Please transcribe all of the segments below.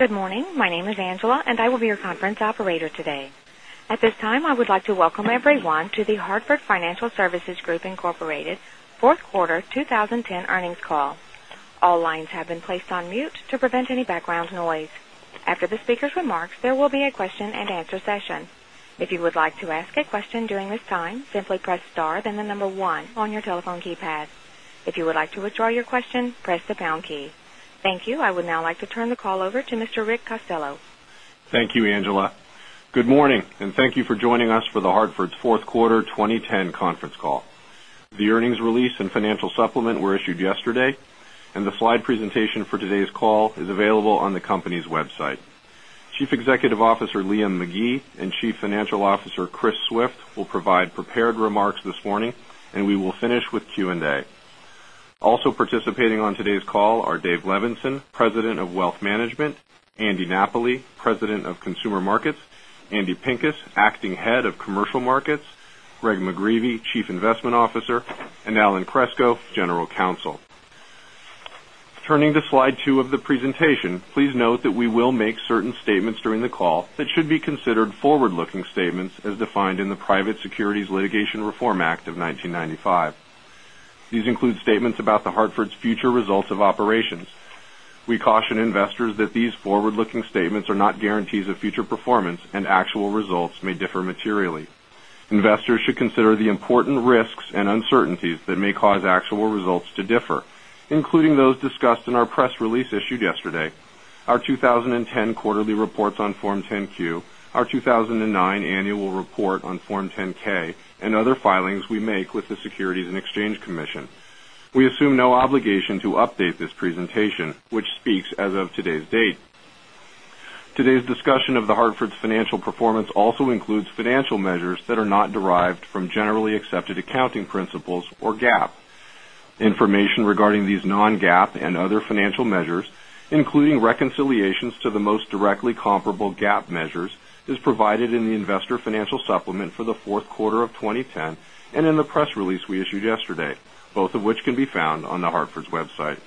Good morning. My name is Angela, and I will be your conference operator today. At this time, I would like to welcome everyone to The Hartford Financial Services Group, Inc. fourth quarter 2010 earnings call. All lines have been placed on mute to prevent any background noise. After the speaker's remarks, there will be a question and answer session. If you would like to ask a question during this time, simply press star then the number one on your telephone keypad. If you would like to withdraw your question, press the pound key. Thank you. I would now like to turn the call over to Mr. Rick Costello. Thank you, Angela. Good morning, and thank you for joining us for The Hartford's fourth quarter 2010 conference call. The earnings release and financial supplement were issued yesterday. The slide presentation for today's call is available on the company's website. Chief Executive Officer, Liam McGee, and Chief Financial Officer, Christopher Swift, will provide prepared remarks this morning. We will finish with Q&A. Also participating on today's call are Dave Levenson, President of Wealth Management, Andy Napoli, President of Consumer Markets, Andy Pinkes, Acting Head of Commercial Markets, Greg McGreevey, Chief Investment Officer, and Alan Kreczko, General Counsel. Turning to slide two of the presentation, please note that we will make certain statements during the call that should be considered forward-looking statements as defined in the Private Securities Litigation Reform Act of 1995. These include statements about The Hartford's future results of operations. We caution investors that these forward-looking statements are not guarantees of future performance. Actual results may differ materially. Investors should consider the important risks and uncertainties that may cause actual results to differ, including those discussed in our press release issued yesterday, our 2010 quarterly reports on Form 10-Q, our 2009 annual report on Form 10-K, and other filings we make with the Securities and Exchange Commission. We assume no obligation to update this presentation, which speaks as of today's date. Today's discussion of The Hartford's financial performance also includes financial measures that are not derived from generally accepted accounting principles or GAAP. Information regarding these non-GAAP and other financial measures, including reconciliations to the most directly comparable GAAP measures, is provided in the investor financial supplement for the fourth quarter of 2010, and in the press release we issued yesterday, both of which can be found on The Hartford's website.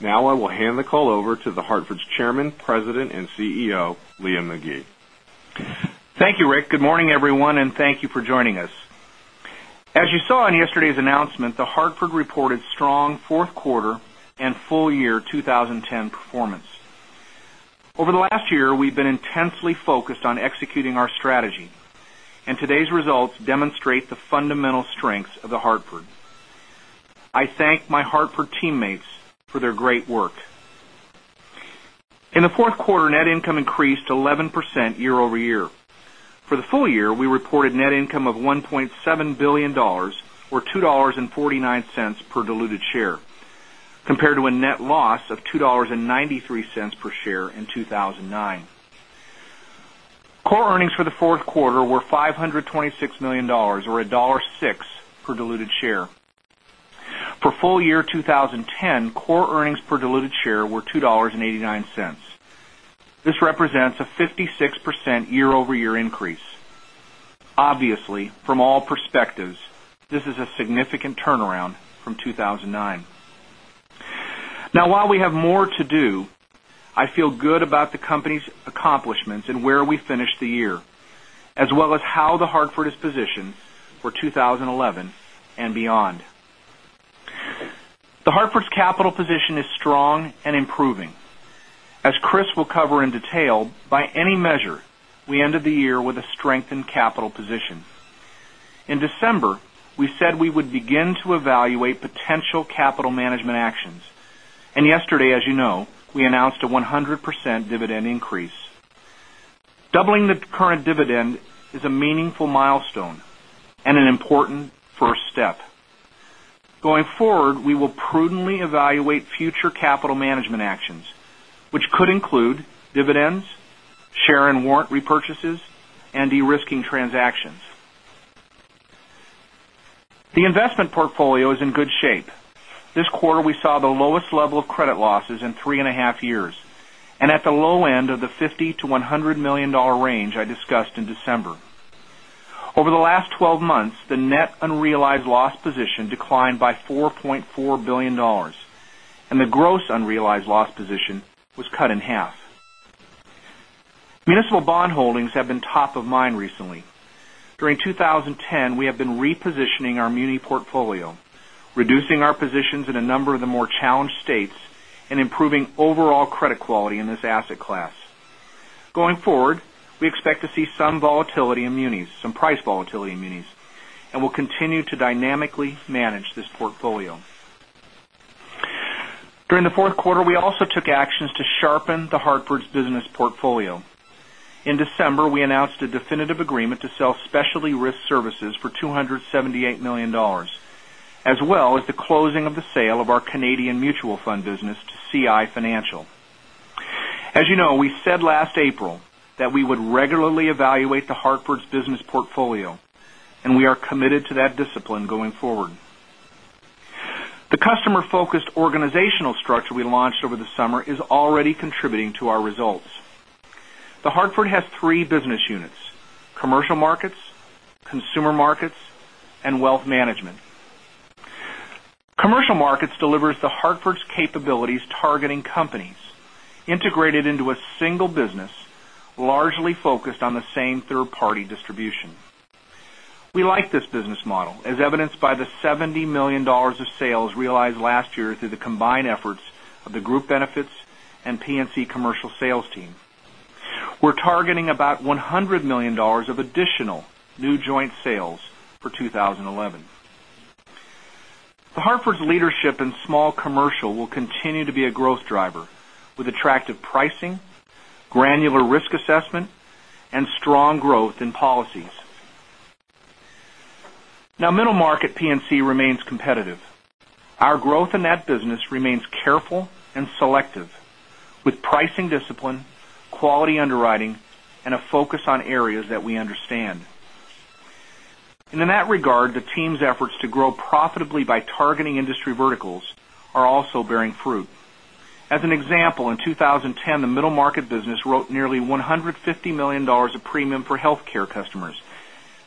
Now I will hand the call over to The Hartford's Chairman, President, and CEO, Liam McGee. Thank you, Rick. Good morning, everyone, and thank you for joining us. As you saw in yesterday's announcement, The Hartford reported strong fourth quarter and full year 2010 performance. Over the last year, we've been intensely focused on executing our strategy, and today's results demonstrate the fundamental strengths of The Hartford. I thank my Hartford teammates for their great work. In the fourth quarter, net income increased 11% year-over-year. For the full year, we reported net income of $1.7 billion, or $2.49 per diluted share, compared to a net loss of $2.93 per share in 2009. Core earnings for the fourth quarter were $526 million, or $1.06 per diluted share. For full year 2010, core earnings per diluted share were $2.89. This represents a 56% year-over-year increase. Obviously, from all perspectives, this is a significant turnaround from 2009. While we have more to do, I feel good about the company's accomplishments and where we finished the year, as well as how The Hartford is positioned for 2011 and beyond. The Hartford's capital position is strong and improving. As Chris will cover in detail, by any measure, we ended the year with a strengthened capital position. In December, we said we would begin to evaluate potential capital management actions, and yesterday, as you know, we announced a 100% dividend increase. Doubling the current dividend is a meaningful milestone and an important first step. Going forward, we will prudently evaluate future capital management actions, which could include dividends, share and warrant repurchases, and de-risking transactions. The investment portfolio is in good shape. This quarter, we saw the lowest level of credit losses in three and a half years, and at the low end of the $50 million-$100 million range I discussed in December. Over the last 12 months, the net unrealized loss position declined by $4.4 billion, and the gross unrealized loss position was cut in half. Municipal bond holdings have been top of mind recently. During 2010, we have been repositioning our muni portfolio, reducing our positions in a number of the more challenged states, and improving overall credit quality in this asset class. Going forward, we expect to see some volatility in munis, some price volatility in munis, and will continue to dynamically manage this portfolio. During the fourth quarter, we also took actions to sharpen The Hartford's business portfolio. In December, we announced a definitive agreement to sell Specialty Risk Services for $278 million, as well as the closing of the sale of our Canadian mutual fund business to CI Financial. As you know, we said last April that we would regularly evaluate The Hartford's business portfolio, and we are committed to that discipline going forward. The customer-focused organizational structure we launched over the summer is already contributing to our results. The Hartford has three business units, Commercial Markets, Consumer Markets, and Wealth Management. Commercial Markets delivers The Hartford's capabilities targeting companies integrated into a single business, largely focused on the same third-party distribution. We like this business model, as evidenced by the $70 million of sales realized last year through the combined efforts of the group benefits and P&C Commercial sales team. We're targeting about $100 million of additional new joint sales for 2011. The Hartford's leadership in small commercial will continue to be a growth driver with attractive pricing, granular risk assessment, and strong growth in policies. Middle market P&C remains competitive. Our growth in that business remains careful and selective, with pricing discipline, quality underwriting, and a focus on areas that we understand. In that regard, the team's efforts to grow profitably by targeting industry verticals are also bearing fruit. As an example, in 2010, the middle market business wrote nearly $150 million of premium for healthcare customers,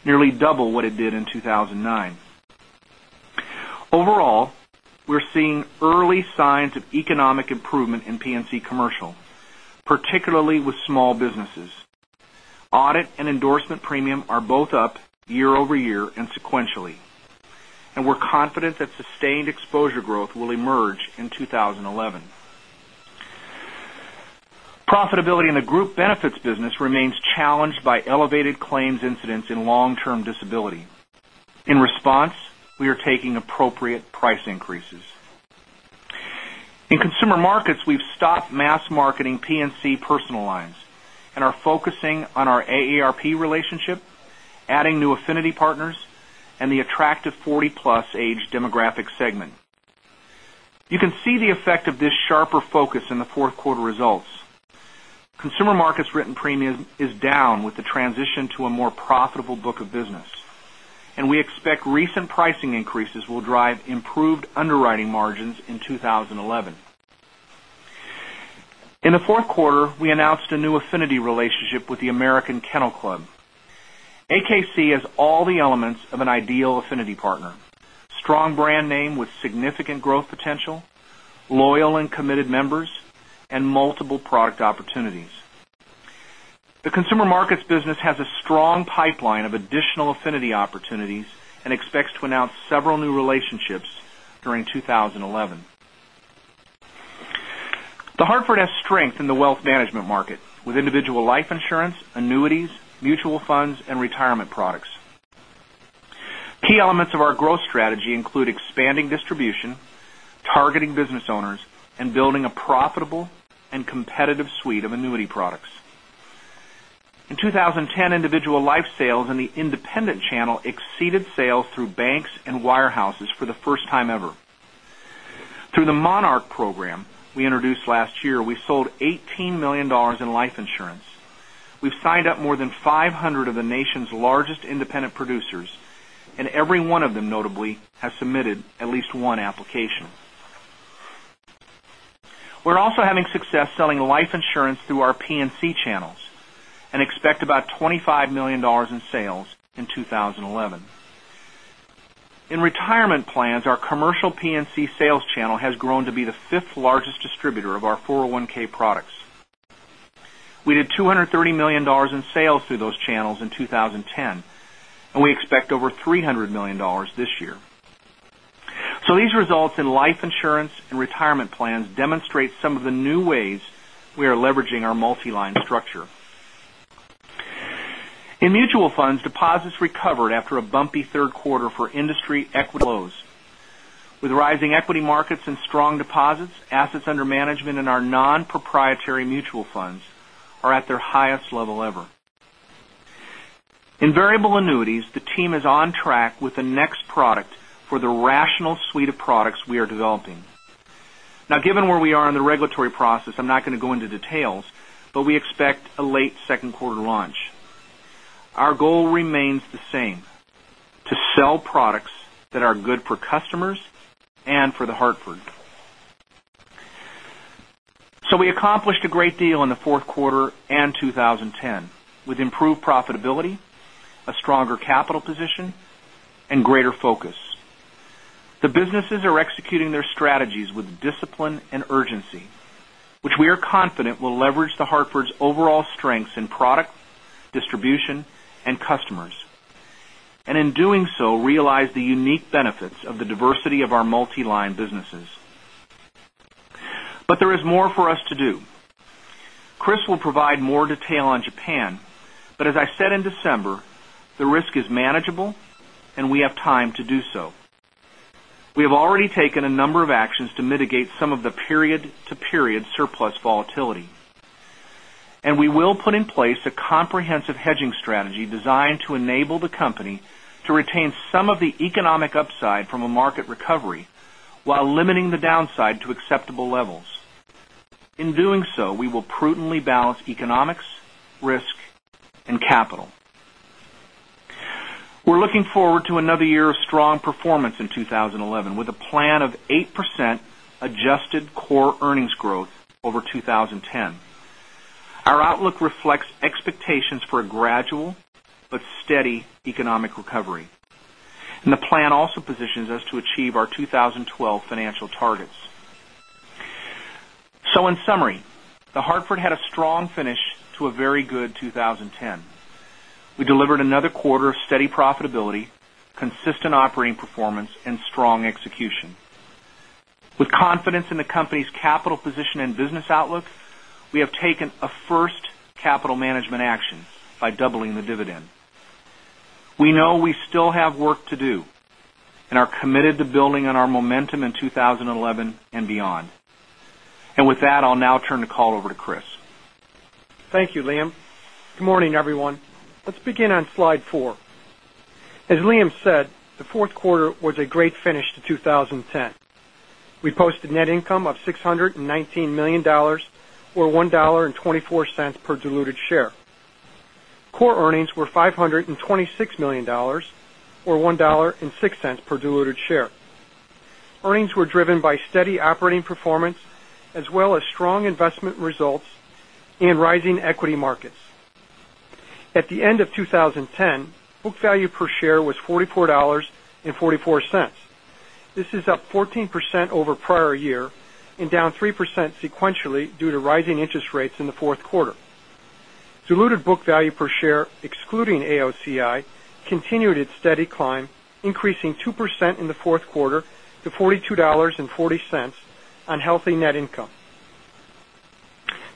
nearly double what it did in 2009. Overall, we're seeing early signs of economic improvement in P&C Commercial, particularly with small businesses. Audit and endorsement premium are both up year-over-year and sequentially, and we're confident that sustained exposure growth will emerge in 2011. Profitability in the group benefits business remains challenged by elevated claims incidents in long-term disability. In response, we are taking appropriate price increases. In Consumer Markets, we've stopped mass marketing P&C personal lines and are focusing on our AARP relationship, adding new affinity partners and the attractive 40-plus age demographic segment. You can see the effect of this sharper focus in the fourth quarter results. Consumer Markets written premium is down with the transition to a more profitable book of business, and we expect recent pricing increases will drive improved underwriting margins in 2011. In the fourth quarter, we announced a new affinity relationship with the American Kennel Club. AKC has all the elements of an ideal affinity partner, strong brand name with significant growth potential, loyal and committed members, and multiple product opportunities. The Consumer Markets business has a strong pipeline of additional affinity opportunities and expects to announce several new relationships during 2011. The Hartford has strength in the Wealth Management market with individual life insurance, annuities, mutual funds and retirement products. Key elements of our growth strategy include expanding distribution, targeting business owners, and building a profitable and competitive suite of annuity products. In 2010, individual life sales in the independent channel exceeded sales through banks and wirehouses for the first time ever. Through the Monarch program we introduced last year, we sold $18 million in life insurance. We've signed up more than 500 of the nation's largest independent producers, and every one of them, notably, has submitted at least one application. We're also having success selling life insurance through our P&C channels and expect about $25 million in sales in 2011. In retirement plans, our commercial P&C sales channel has grown to be the fifth largest distributor of our 401 products. We did $230 million in sales through those channels in 2010, and we expect over $300 million this year. These results in life insurance and retirement plans demonstrate some of the new ways we are leveraging our multi-line structure. In mutual funds, deposits recovered after a bumpy third quarter for industry equity flows. With rising equity markets and strong deposits, assets under management in our non-proprietary mutual funds are at their highest level ever. In variable annuities, the team is on track with the next product for the rational suite of products we are developing. Given where we are in the regulatory process, I'm not going to go into details, but we expect a late second quarter launch. Our goal remains the same, to sell products that are good for customers and for The Hartford. We accomplished a great deal in the fourth quarter and 2010 with improved profitability, a stronger capital position, and greater focus. The businesses are executing their strategies with discipline and urgency, which we are confident will leverage The Hartford's overall strengths in product, distribution and customers, and in doing so, realize the unique benefits of the diversity of our multi-line businesses. There is more for us to do. Chris will provide more detail on Japan, but as I said in December, the risk is manageable and we have time to do so. We have already taken a number of actions to mitigate some of the period-to-period surplus volatility, we will put in place a comprehensive hedging strategy designed to enable the company to retain some of the economic upside from a market recovery while limiting the downside to acceptable levels. In doing so, we will prudently balance economics, risk and capital. We are looking forward to another year of strong performance in 2011 with a plan of 8% adjusted core earnings growth over 2010. Our outlook reflects expectations for a gradual but steady economic recovery. The plan also positions us to achieve our 2012 financial targets. In summary, The Hartford had a strong finish to a very good 2010. We delivered another quarter of steady profitability, consistent operating performance, and strong execution. With confidence in the company's capital position and business outlook, we have taken a first capital management action by doubling the dividend. We know we still have work to do and are committed to building on our momentum in 2011 and beyond. With that, I will now turn the call over to Chris. Thank you, Liam. Good morning, everyone. Let's begin on slide four. As Liam said, the fourth quarter was a great finish to 2010. We posted net income of $619 million, or $1.24 per diluted share. Core earnings were $526 million, or $1.06 per diluted share. Earnings were driven by steady operating performance, as well as strong investment results in rising equity markets. At the end of 2010, book value per share was $44.44. This is up 14% over prior year and down 3% sequentially due to rising interest rates in the fourth quarter. Diluted book value per share, excluding AOCI, continued its steady climb, increasing 2% in the fourth quarter to $42.40 on healthy net income.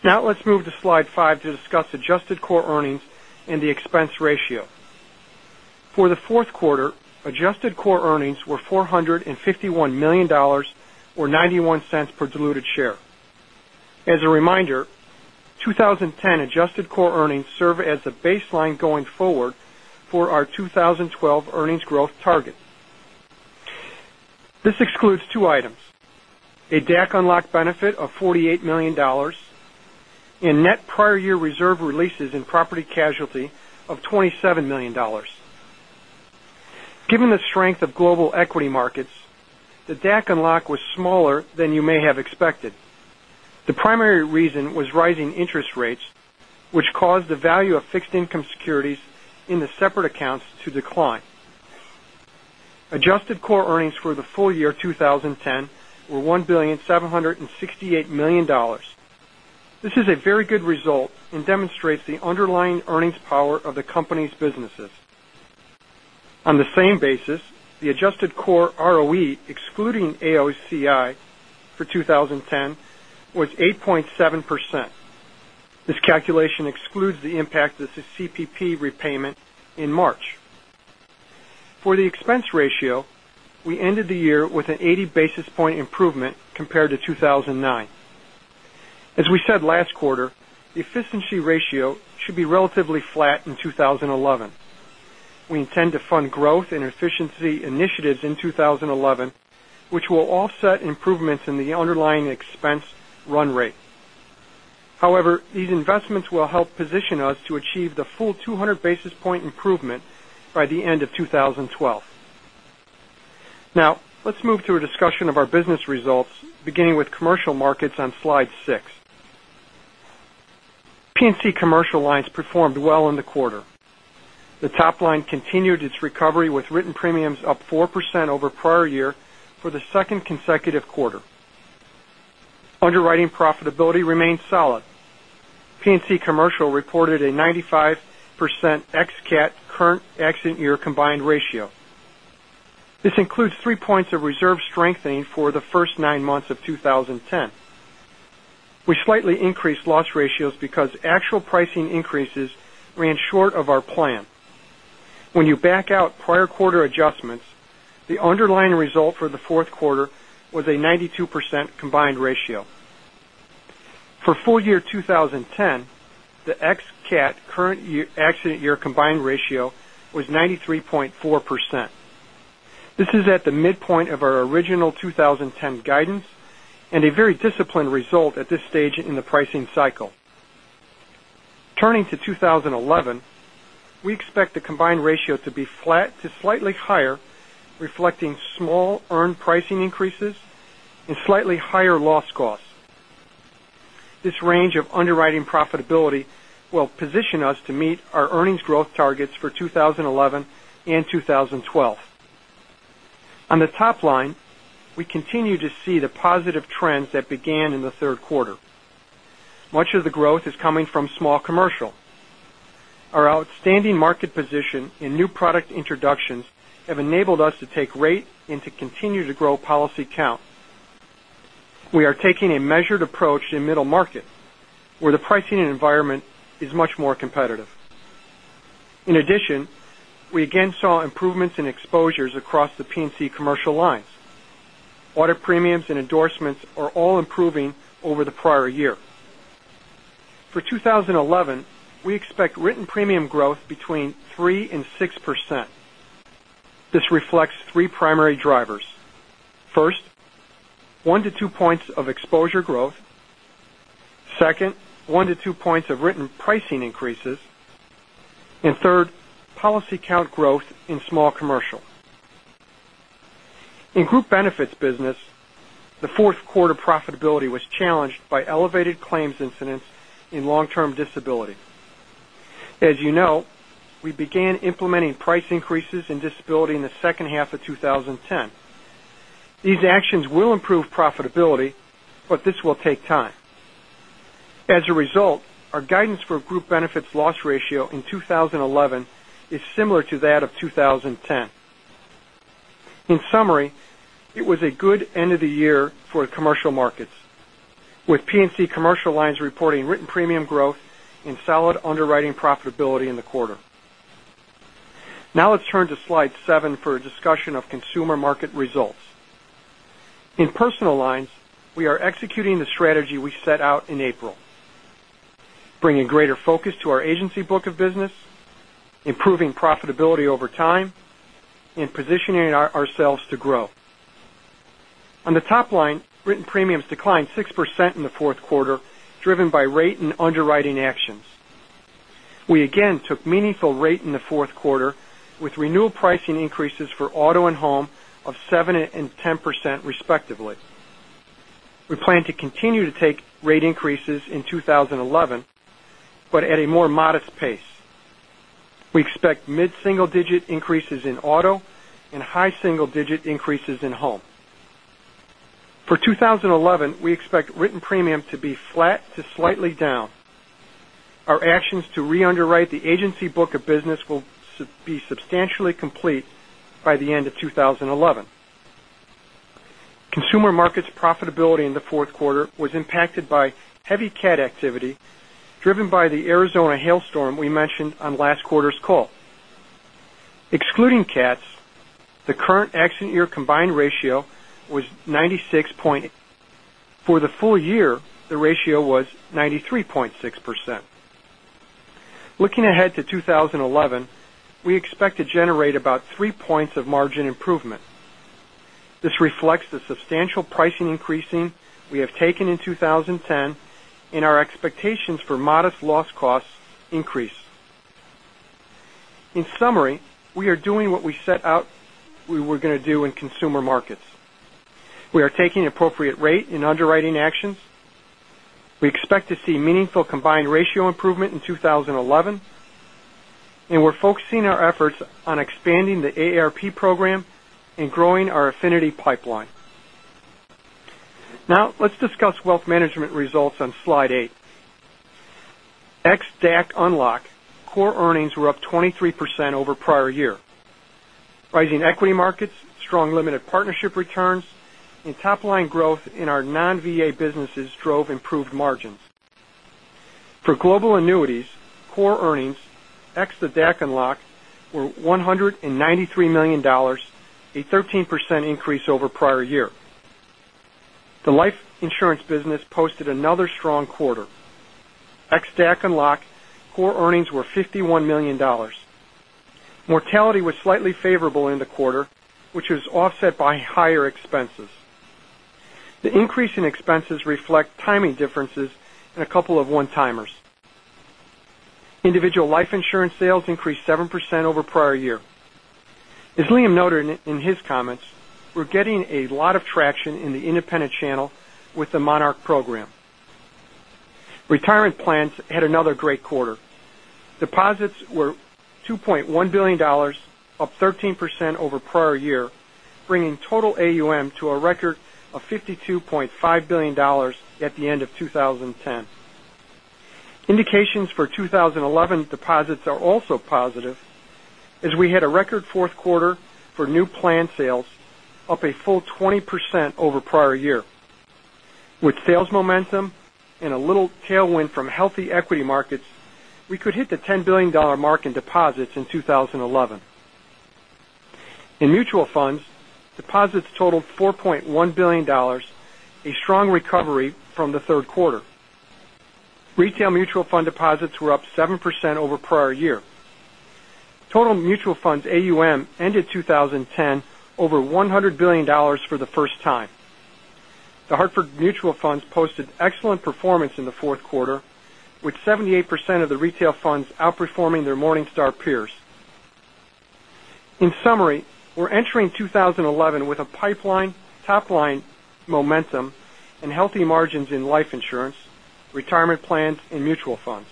Now let's move to slide five to discuss adjusted core earnings and the expense ratio. For the fourth quarter, adjusted core earnings were $451 million, or $0.91 per diluted share. As a reminder, 2010 adjusted core earnings serve as the baseline going forward for our 2012 earnings growth target. This excludes two items: a DAC unlock benefit of $48 million and net prior year reserve releases in property casualty of $27 million. Given the strength of global equity markets, the DAC unlock was smaller than you may have expected. The primary reason was rising interest rates, which caused the value of fixed income securities in the separate accounts to decline. Adjusted core earnings for the full year 2010 were $1,768 million. This is a very good result and demonstrates the underlying earnings power of the company's businesses. On the same basis, the adjusted core ROE, excluding AOCI for 2010, was 8.7%. This calculation excludes the impact of the CPP repayment in March. For the expense ratio, we ended the year with an 80 basis point improvement compared to 2009. As we said last quarter, the efficiency ratio should be relatively flat in 2011. We intend to fund growth and efficiency initiatives in 2011, which will offset improvements in the underlying expense run rate. However, these investments will help position us to achieve the full 200 basis point improvement by the end of 2012. Now, let's move to a discussion of our business results, beginning with Commercial Markets on slide seven. P&C Commercial lines performed well in the quarter. The top line continued its recovery with written premiums up 4% over prior year for the second consecutive quarter. Underwriting profitability remained solid. P&C Commercial reported a 95% ex CAT current accident year combined ratio. This includes three points of reserve strengthening for the first nine months of 2010. We slightly increased loss ratios because actual pricing increases ran short of our plan. When you back out prior quarter adjustments, the underlying result for the fourth quarter was a 92% combined ratio. For full year 2010, the ex CAT current accident year combined ratio was 93.4%. This is at the midpoint of our original 2010 guidance and a very disciplined result at this stage in the pricing cycle. Turning to 2011, we expect the combined ratio to be flat to slightly higher, reflecting small earned pricing increases and slightly higher loss costs. This range of underwriting profitability will position us to meet our earnings growth targets for 2011 and 2012. On the top line, we continue to see the positive trends that began in the third quarter. Much of the growth is coming from small commercial. Our outstanding market position and new product introductions have enabled us to take rate and to continue to grow policy count. We are taking a measured approach in middle market, where the pricing environment is much more competitive. In addition, we again saw improvements in exposures across the P&C commercial lines. Audit premiums and endorsements are all improving over the prior year. For 2011, we expect written premium growth between 3% and 6%. This reflects three primary drivers. First, one to two points of exposure growth. Second, one to two points of written pricing increases. Third, policy count growth in small commercial. In group benefits business, the fourth quarter profitability was challenged by elevated claims incidents in long-term disability. As you know, we began implementing price increases in disability in the second half of 2010. These actions will improve profitability, this will take time. As a result, our guidance for group benefits loss ratio in 2011 is similar to that of 2010. In summary, it was a good end of the year for Commercial Markets, with P&C commercial lines reporting written premium growth and solid underwriting profitability in the quarter. Now let's turn to slide seven for a discussion of Consumer Markets results. In personal lines, we are executing the strategy we set out in April, bringing greater focus to our agency book of business, improving profitability over time, and positioning ourselves to grow. On the top line, written premiums declined 6% in the fourth quarter, driven by rate and underwriting actions. We again took meaningful rate in the fourth quarter with renewal pricing increases for auto and home of 7% and 10%, respectively. We plan to continue to take rate increases in 2011, at a more modest pace. We expect mid-single-digit increases in auto and high single-digit increases in home. For 2011, we expect written premium to be flat to slightly down. Our actions to re-underwrite the agency book of business will be substantially complete by the end of 2011. Consumer Markets profitability in the fourth quarter was impacted by heavy CAT activity, driven by the Arizona hailstorm we mentioned on last quarter's call. Excluding CATs, the current accident year combined ratio was 96%. For the full year, the ratio was 93.6%. Looking ahead to 2011, we expect to generate about three points of margin improvement. This reflects the substantial pricing increasing we have taken in 2010 and our expectations for modest loss costs increase. In summary, we are doing what we set out we were going to do in Consumer Markets. We are taking appropriate rate in underwriting actions. We expect to see meaningful combined ratio improvement in 2011, we're focusing our efforts on expanding the AARP program and growing our affinity pipeline. Now let's discuss Wealth Management results on slide eight. Ex DAC unlock, core earnings were up 23% over prior year. Rising equity markets, strong limited partnership returns, and top-line growth in our non-VA businesses drove improved margins. For global annuities, core earnings, ex the DAC unlock, were $193 million, a 13% increase over prior year. The life insurance business posted another strong quarter. Ex DAC unlock, core earnings were $51 million. Mortality was slightly favorable in the quarter, which was offset by higher expenses. The increase in expenses reflect timing differences in a couple of one-timers. Individual life insurance sales increased 7% over prior year. As Liam noted in his comments, we're getting a lot of traction in the independent channel with the Monarch program. Retirement plans had another great quarter. Deposits were $2.1 billion, up 13% over prior year, bringing total AUM to a record of $52.5 billion at the end of 2010. Indications for 2011 deposits are also positive, as we had a record fourth quarter for new plan sales, up a full 20% over prior year. With sales momentum and a little tailwind from healthy equity markets, we could hit the $10 billion mark in deposits in 2011. In mutual funds, deposits totaled $4.1 billion, a strong recovery from the third quarter. Retail mutual fund deposits were up 7% over prior year. Total mutual funds AUM ended 2010 over $100 billion for the first time. The Hartford Mutual Funds posted excellent performance in the fourth quarter, with 78% of the retail funds outperforming their Morningstar peers. In summary, we're entering 2011 with a pipeline, top-line momentum and healthy margins in life insurance, retirement plans, and mutual funds.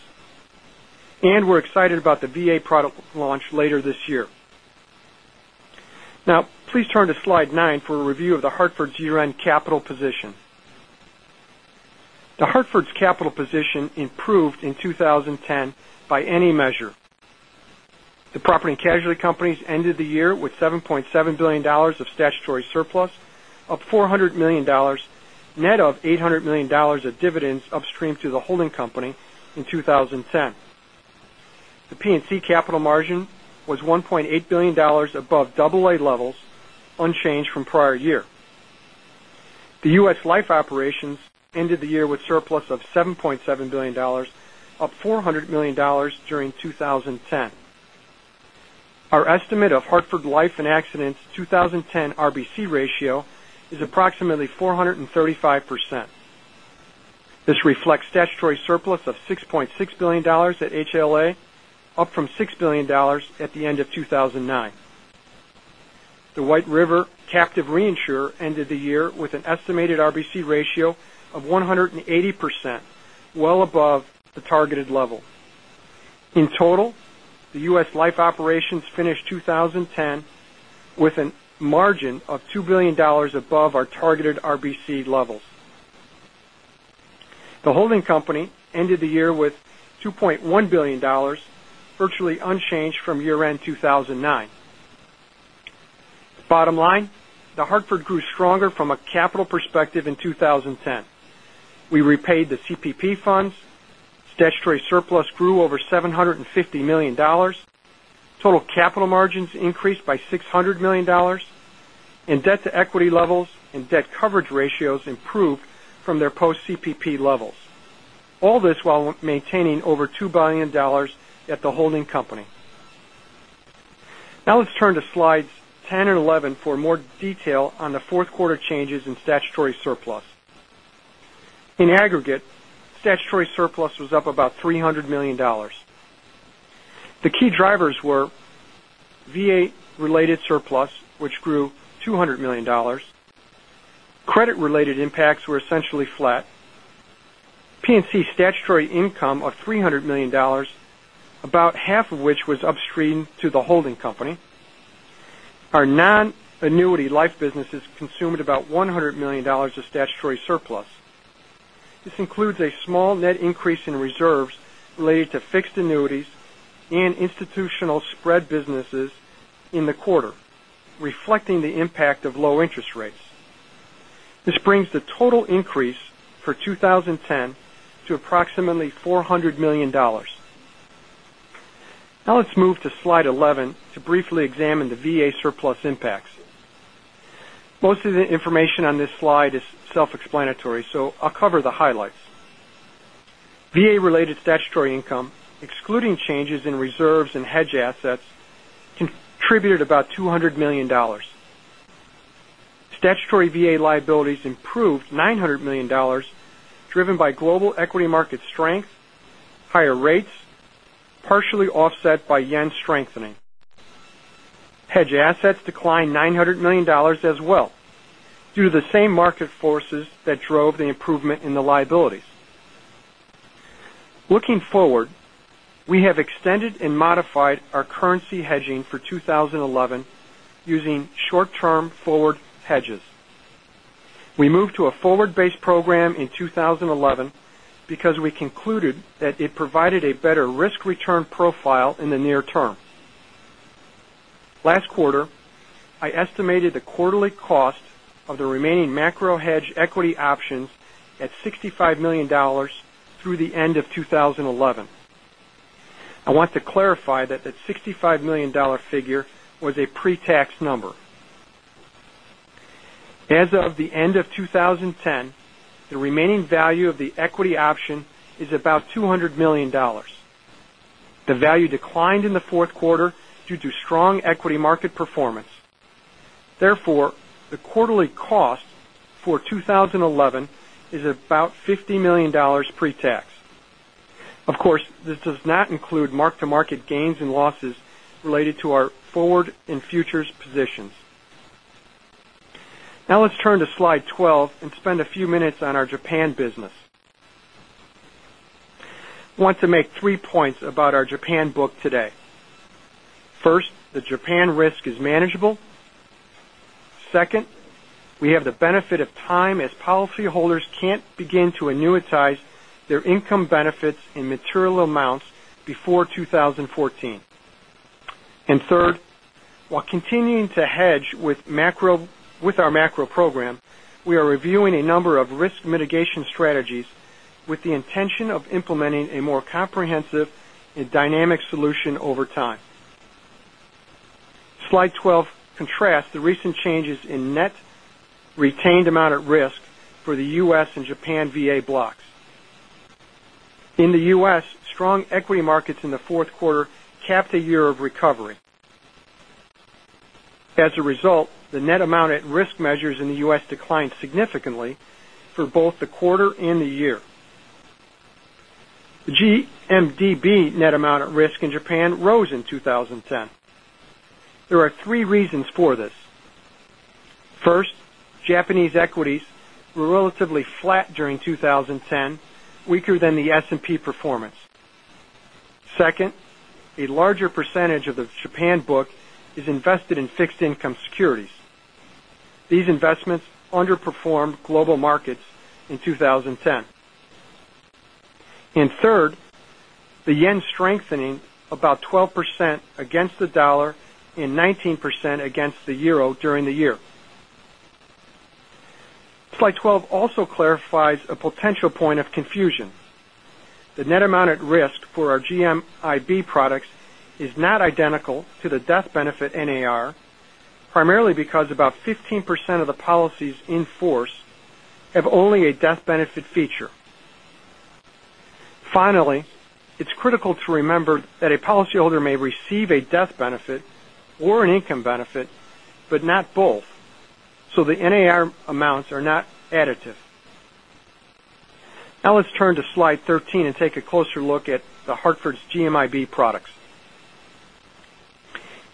We're excited about the VA product launch later this year. Now please turn to slide nine for a review of The Hartford's year-end capital position. The Hartford's capital position improved in 2010 by any measure. The property and casualty companies ended the year with $7.7 billion of statutory surplus, up $400 million, net of $800 million of dividends upstreamed through the holding company in 2010. The P&C capital margin was $1.8 billion above AA levels, unchanged from prior year. The U.S. Life operations ended the year with surplus of $7.7 billion, up $400 million during 2010. Our estimate of Hartford Life and Accident 2010 RBC ratio is approximately 435%. This reflects statutory surplus of $6.6 billion at HLA, up from $6 billion at the end of 2009. The White River captive reinsurer ended the year with an estimated RBC ratio of 180%, well above the targeted level. In total, the U.S. Life operations finished 2010 with a margin of $2 billion above our targeted RBC levels. The holding company ended the year with $2.1 billion, virtually unchanged from year-end 2009. Bottom line, The Hartford grew stronger from a capital perspective in 2010. We repaid the CPP funds. Statutory surplus grew over $750 million. Total capital margins increased by $600 million, and debt-to-equity levels and debt coverage ratios improved from their post-CPP levels. All this while maintaining over $2 billion at the holding company. Let's turn to slides 10 and 11 for more detail on the fourth quarter changes in statutory surplus. In aggregate, statutory surplus was up about $300 million. The key drivers were VA-related surplus, which grew $200 million. Credit-related impacts were essentially flat. P&C statutory income of $300 million, about half of which was upstreamed to the holding company. Our non-annuity life businesses consumed about $100 million of statutory surplus. This includes a small net increase in reserves related to fixed annuities and institutional spread businesses in the quarter, reflecting the impact of low interest rates. This brings the total increase for 2010 to approximately $400 million. Let's move to slide 11 to briefly examine the VA surplus impacts. Most of the information on this slide is self-explanatory, I'll cover the highlights. VA-related statutory income, excluding changes in reserves and hedge assets, contributed about $200 million. Statutory VA liabilities improved $900 million, driven by global equity market strength, higher rates, partially offset by yen strengthening. Hedge assets declined $900 million as well due to the same market forces that drove the improvement in the liabilities. Looking forward, we have extended and modified our currency hedging for 2011 using short-term forward hedges. We moved to a forward-based program in 2011 because we concluded that it provided a better risk-return profile in the near term. Last quarter, I estimated the quarterly cost of the remaining macro hedge equity options at $65 million through the end of 2011. I want to clarify that that $65 million figure was a pre-tax number. As of the end of 2010, the remaining value of the equity option is about $200 million. The value declined in the fourth quarter due to strong equity market performance. Therefore, the quarterly cost for 2011 is about $50 million pre-tax. Of course, this does not include mark-to-market gains and losses related to our forward and futures positions. Let's turn to slide 12 and spend a few minutes on our Japan business. Want to make three points about our Japan book today. First, the Japan risk is manageable. Second, we have the benefit of time as policyholders can't begin to annuitize their income benefits in material amounts before 2014. Third, while continuing to hedge with our macro program, we are reviewing a number of risk mitigation strategies with the intention of implementing a more comprehensive and dynamic solution over time. Slide 12 contrasts the recent changes in net retained amount at risk for the U.S. and Japan VA blocks. In the U.S., strong equity markets in the fourth quarter capped a year of recovery. As a result, the net amount at risk measures in the U.S. declined significantly for both the quarter and the year. The GMDB net amount at risk in Japan rose in 2010. There are three reasons for this. First, Japanese equities were relatively flat during 2010, weaker than the S&P performance. Second, a larger percentage of the Japan book is invested in fixed income securities. These investments underperformed global markets in 2010. Third, the yen strengthening about 12% against the USD and 19% against the EUR during the year. Slide 12 also clarifies a potential point of confusion. The net amount at risk for our GMIB products is not identical to the death benefit NAR, primarily because about 15% of the policies in force have only a death benefit feature. Finally, it's critical to remember that a policyholder may receive a death benefit or an income benefit, but not both. The NAR amounts are not additive. Now let's turn to slide 13 and take a closer look at The Hartford's GMIB products.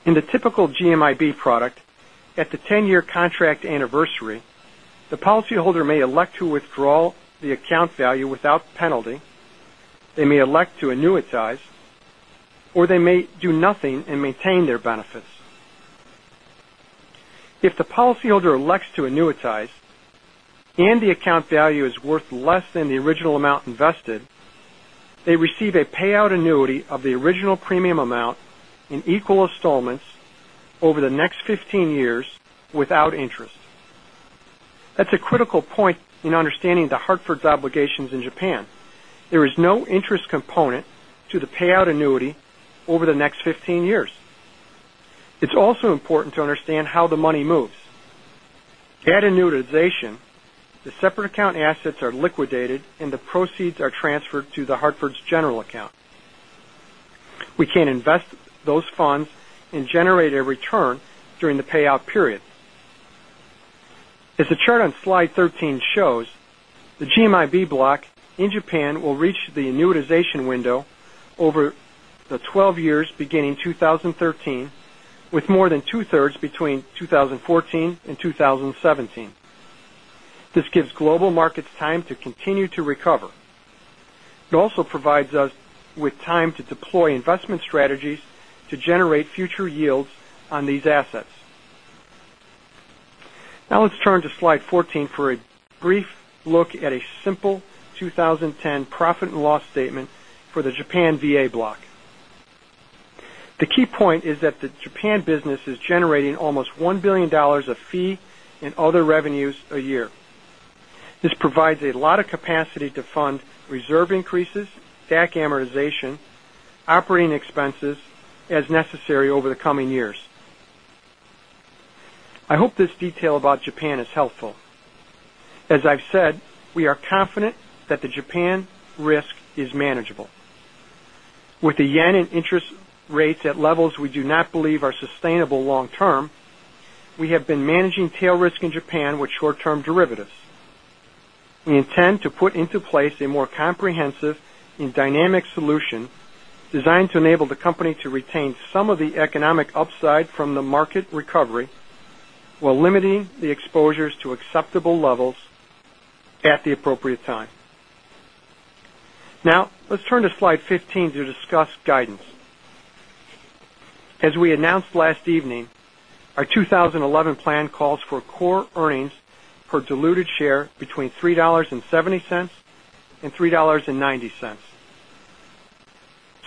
In the typical GMIB product, at the 10-year contract anniversary, the policyholder may elect to withdraw the account value without penalty. They may elect to annuitize, or they may do nothing and maintain their benefits. If the policyholder elects to annuitize and the account value is worth less than the original amount invested, they receive a payout annuity of the original premium amount in equal installments over the next 15 years without interest. That's a critical point in understanding The Hartford's obligations in Japan. There is no interest component to the payout annuity over the next 15 years. It's also important to understand how the money moves. At annuitization, the separate account assets are liquidated, and the proceeds are transferred to The Hartford's general account. We can invest those funds and generate a return during the payout period. As the chart on slide 13 shows, the GMIB block in Japan will reach the annuitization window over the 12 years beginning 2013, with more than two-thirds between 2014 and 2017. This gives global markets time to continue to recover. It also provides us with time to deploy investment strategies to generate future yields on these assets. Now let's turn to slide 14 for a brief look at a simple 2010 profit and loss statement for the Japan VA block. The key point is that the Japan business is generating almost $1 billion of fee and other revenues a year. This provides a lot of capacity to fund reserve increases, DAC amortization, operating expenses as necessary over the coming years. I hope this detail about Japan is helpful. As I've said, we are confident that the Japan risk is manageable. With the yen and interest rates at levels we do not believe are sustainable long term, we have been managing tail risk in Japan with short-term derivatives. We intend to put into place a more comprehensive and dynamic solution designed to enable the company to retain some of the economic upside from the market recovery while limiting the exposures to acceptable levels at the appropriate time. Now, let's turn to slide 15 to discuss guidance. As we announced last evening, our 2011 plan calls for core earnings per diluted share between $3.70 and $3.90.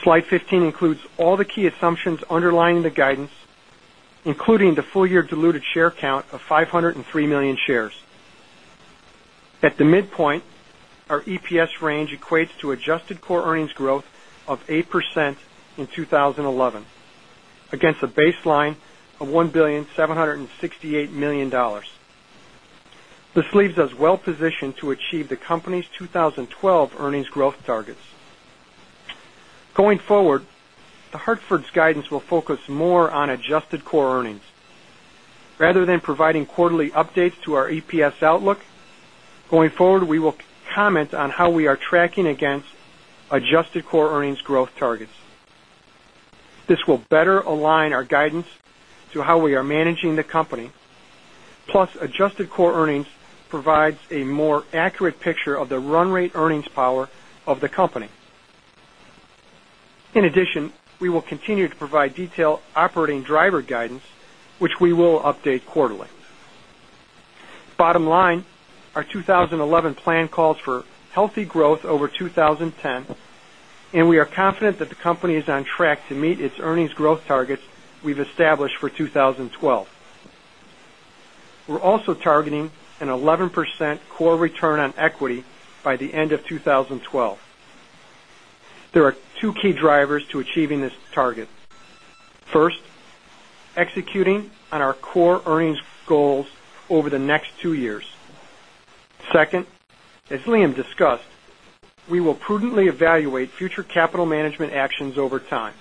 Slide 15 includes all the key assumptions underlying the guidance, including the full-year diluted share count of 503 million shares. At the midpoint, our EPS range equates to adjusted core earnings growth of 8% in 2011 against a baseline of $1,768,000,000. This leaves us well-positioned to achieve the company's 2012 earnings growth targets. Going forward, The Hartford's guidance will focus more on adjusted core earnings. Rather than providing quarterly updates to our EPS outlook, going forward, we will comment on how we are tracking against adjusted core earnings growth targets. This will better align our guidance to how we are managing the company. Plus, adjusted core earnings provides a more accurate picture of the run rate earnings power of the company. In addition, we will continue to provide detailed operating driver guidance, which we will update quarterly. Bottom line, our 2011 plan calls for healthy growth over 2010, and we are confident that the company is on track to meet its earnings growth targets we've established for 2012. We're also targeting an 11% core return on equity by the end of 2012. There are two key drivers to achieving this target. First, executing on our core earnings goals over the next two years. Second, as Liam discussed, we will prudently evaluate future capital management actions over time.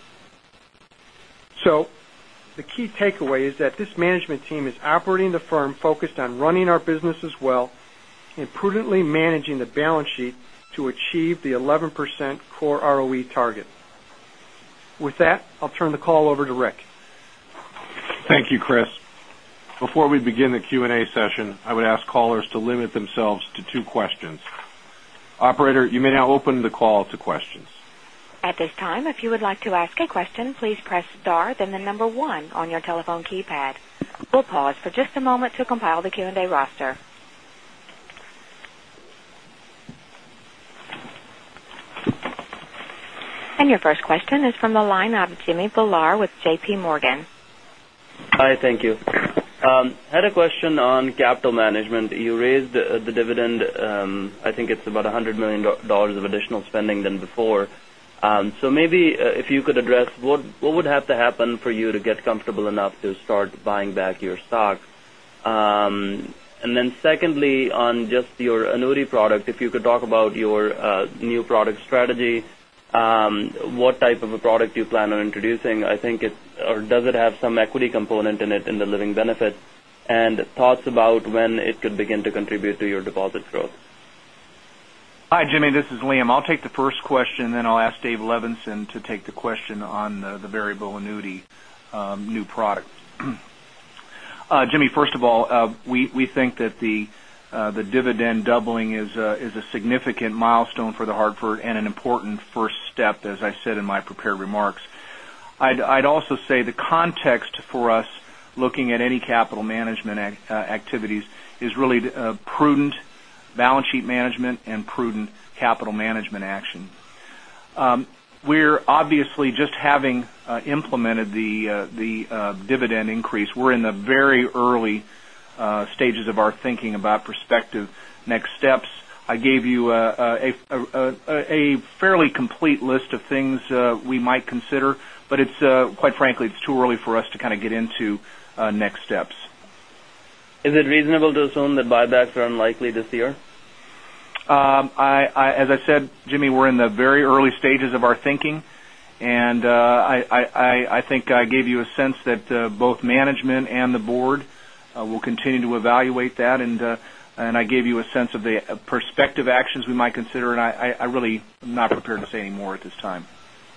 The key takeaway is that this management team is operating the firm focused on running our business well and prudently managing the balance sheet to achieve the 11% core ROE target. With that, I'll turn the call over to Rick. Thank you, Chris. Before we begin the Q&A session, I would ask callers to limit themselves to two questions. Operator, you may now open the call to questions. At this time, if you would like to ask a question, please press star, then the number one on your telephone keypad. We'll pause for just a moment to compile the Q&A roster. Your first question is from the line of Jimmy Bhullar with J.P. Morgan. Hi, thank you. I had a question on capital management. You raised the dividend. I think it's about $100 million of additional spending than before. Maybe if you could address what would have to happen for you to get comfortable enough to start buying back your stock? Secondly, on just your annuity product, if you could talk about your new product strategy, what type of a product you plan on introducing? Does it have some equity component in it in the living benefit? Thoughts about when it could begin to contribute to your deposit growth. Hi, Jimmy, this is Liam. I'll take the first question, then I'll ask David Levenson to take the question on the variable annuity new product. Jimmy, first of all, we think that the dividend doubling is a significant milestone for The Hartford and an important first step, as I said in my prepared remarks. I'd also say the context for us looking at any capital management activities is really prudent balance sheet management and prudent capital management action. We're obviously just having implemented the dividend increase. We're in the very early stages of our thinking about prospective next steps. I gave you a fairly complete list of things we might consider, quite frankly, it's too early for us to kind of get into next steps. Is it reasonable to assume that buybacks are unlikely this year? As I said, Jimmy, we're in the very early stages of our thinking, I think I gave you a sense that both management and the board will continue to evaluate that. I gave you a sense of the prospective actions we might consider, I really am not prepared to say any more at this time.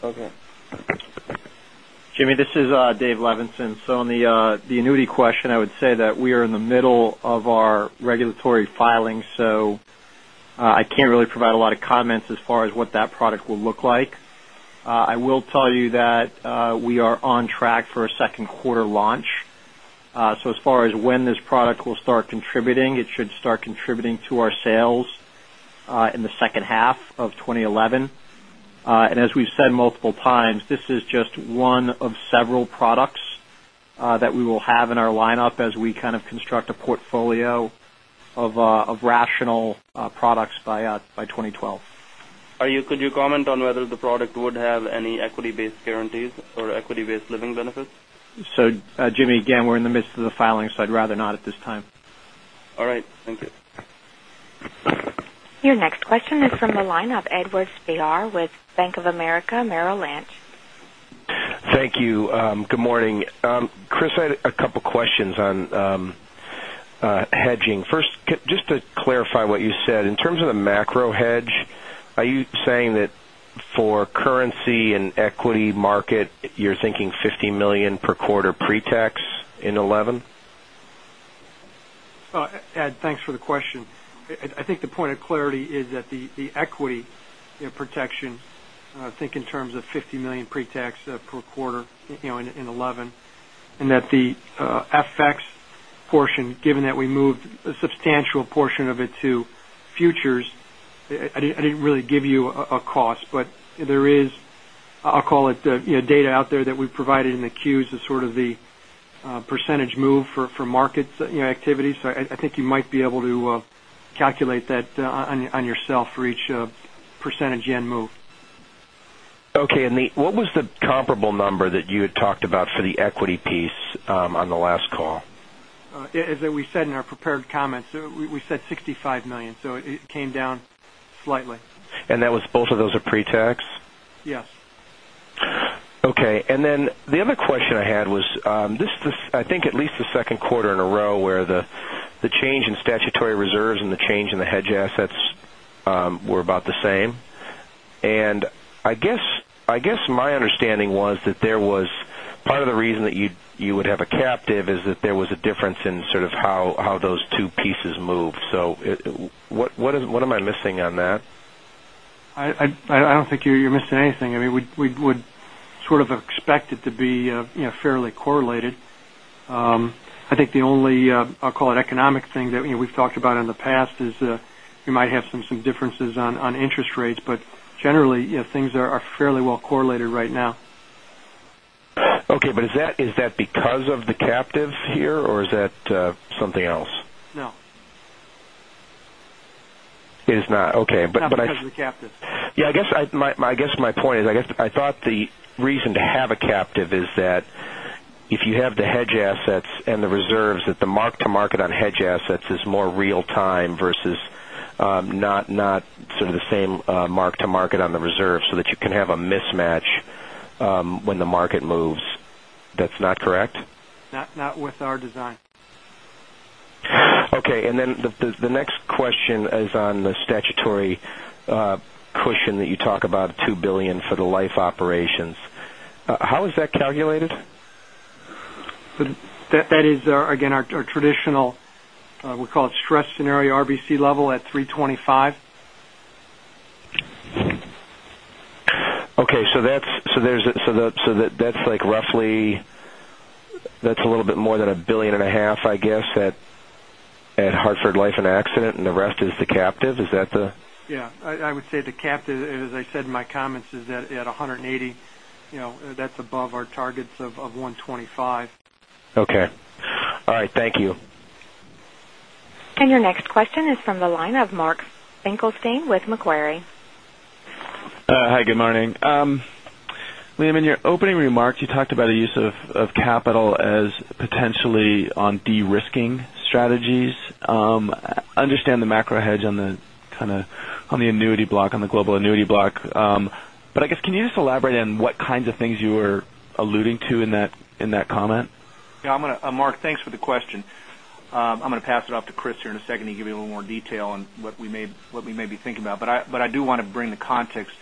Okay. Jimmy, this is David Levenson. On the annuity question, I would say that we are in the middle of our regulatory filings, I can't really provide a lot of comments as far as what that product will look like. I will tell you that we are on track for a second quarter launch. As far as when this product will start contributing, it should start contributing to our sales in the second half of 2011. As we've said multiple times, this is just one of several products that we will have in our lineup as we kind of construct a portfolio of rational products by 2012. Could you comment on whether the product would have any equity-based guarantees or equity-based living benefits? Jimmy, again, we're in the midst of the filing, I'd rather not at this time. All right. Thank you. Your next question is from the line of Ed Spehar with Bank of America Merrill Lynch. Thank you. Good morning. Chris, I had a couple questions on hedging. First, just to clarify what you said, in terms of the macro hedge, are you saying that for currency and equity market, you're thinking $50 million per quarter pre-tax in 2011? Ed, thanks for the question. I think the point of clarity is that the equity protection, think in terms of $50 million pre-tax per quarter in 2011, and that the FX portion, given that we moved a substantial portion of it to futures, I didn't really give you a cost, but there is, I'll call it, data out there that we've provided in the Qs as sort of the percentage move for market activities. I think you might be able to calculate that on yourself for each percentage yen move. Okay. What was the comparable number that you had talked about for the equity piece on the last call? As we said in our prepared comments, we said $65 million, so it came down slightly. Both of those are pre-tax? Yes. Okay. The other question I had was, this is, I think, at least the second quarter in a row where the change in statutory reserves and the change in the hedge assets were about the same. I guess my understanding was that part of the reason that you would have a captive is that there was a difference in sort of how those two pieces move. What am I missing on that? I don't think you're missing anything. I mean, we would sort of expect it to be fairly correlated. I think the only, I'll call it economic thing that we've talked about in the past is you might have some differences on interest rates, but generally, things are fairly well correlated right now. Okay, is that because of the captive here or is that something else? No. It is not. Okay. Not because of the captive. Yeah, I guess my point is, I thought the reason to have a captive is that if you have the hedge assets and the reserves, that the mark to market on hedge assets is more real time versus not sort of the same mark to market on the reserve so that you can have a mismatch when the market moves. That's not correct? Not with our design. Okay. Then the next question is on the statutory cushion that you talk about, $2 billion for the life operations. How is that calculated? That is, again, our traditional, we call it stress scenario RBC level at 325. Okay, that's like roughly, that's a little bit more than a billion and a half, I guess, at Hartford Life and Accident, and the rest is the captive? Yeah, I would say the captive, as I said in my comments, is at 180. That's above our targets of 125. Okay. All right. Thank you. Your next question is from the line of Mark Finkelstein with Macquarie. Hi, good morning. Liam, in your opening remarks, you talked about the use of capital as potentially on de-risking strategies. I understand the macro hedge on the global annuity block. I guess, can you just elaborate on what kinds of things you were alluding to in that comment? Yeah, Mark, thanks for the question. I am going to pass it off to Chris here in a second to give you a little more detail on what we may be thinking about. I do want to bring the context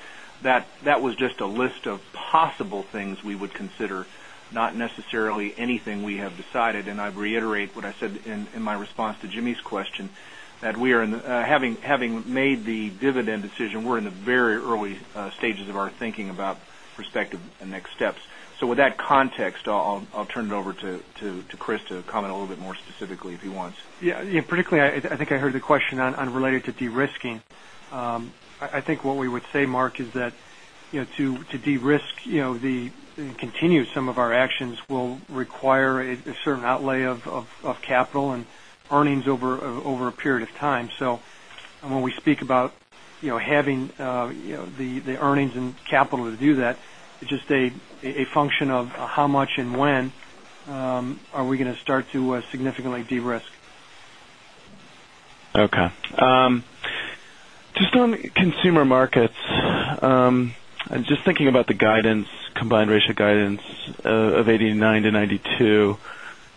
that was just a list of possible things we would consider, not necessarily anything we have decided. I reiterate what I said in my response to Jimmy's question, that having made the dividend decision, we are in the very early stages of our thinking about prospective and next steps. With that context, I will turn it over to Chris to comment a little bit more specifically, if he wants. Yeah. Particularly, I think I heard the question on related to de-risking. I think what we would say, Mark, is that to de-risk some of our actions will require a certain outlay of capital and earnings over a period of time. When we speak about having the earnings and capital to do that, it is just a function of how much and when are we going to start to significantly de-risk. Okay. Just on Consumer Markets, just thinking about the combined ratio guidance of 89-92.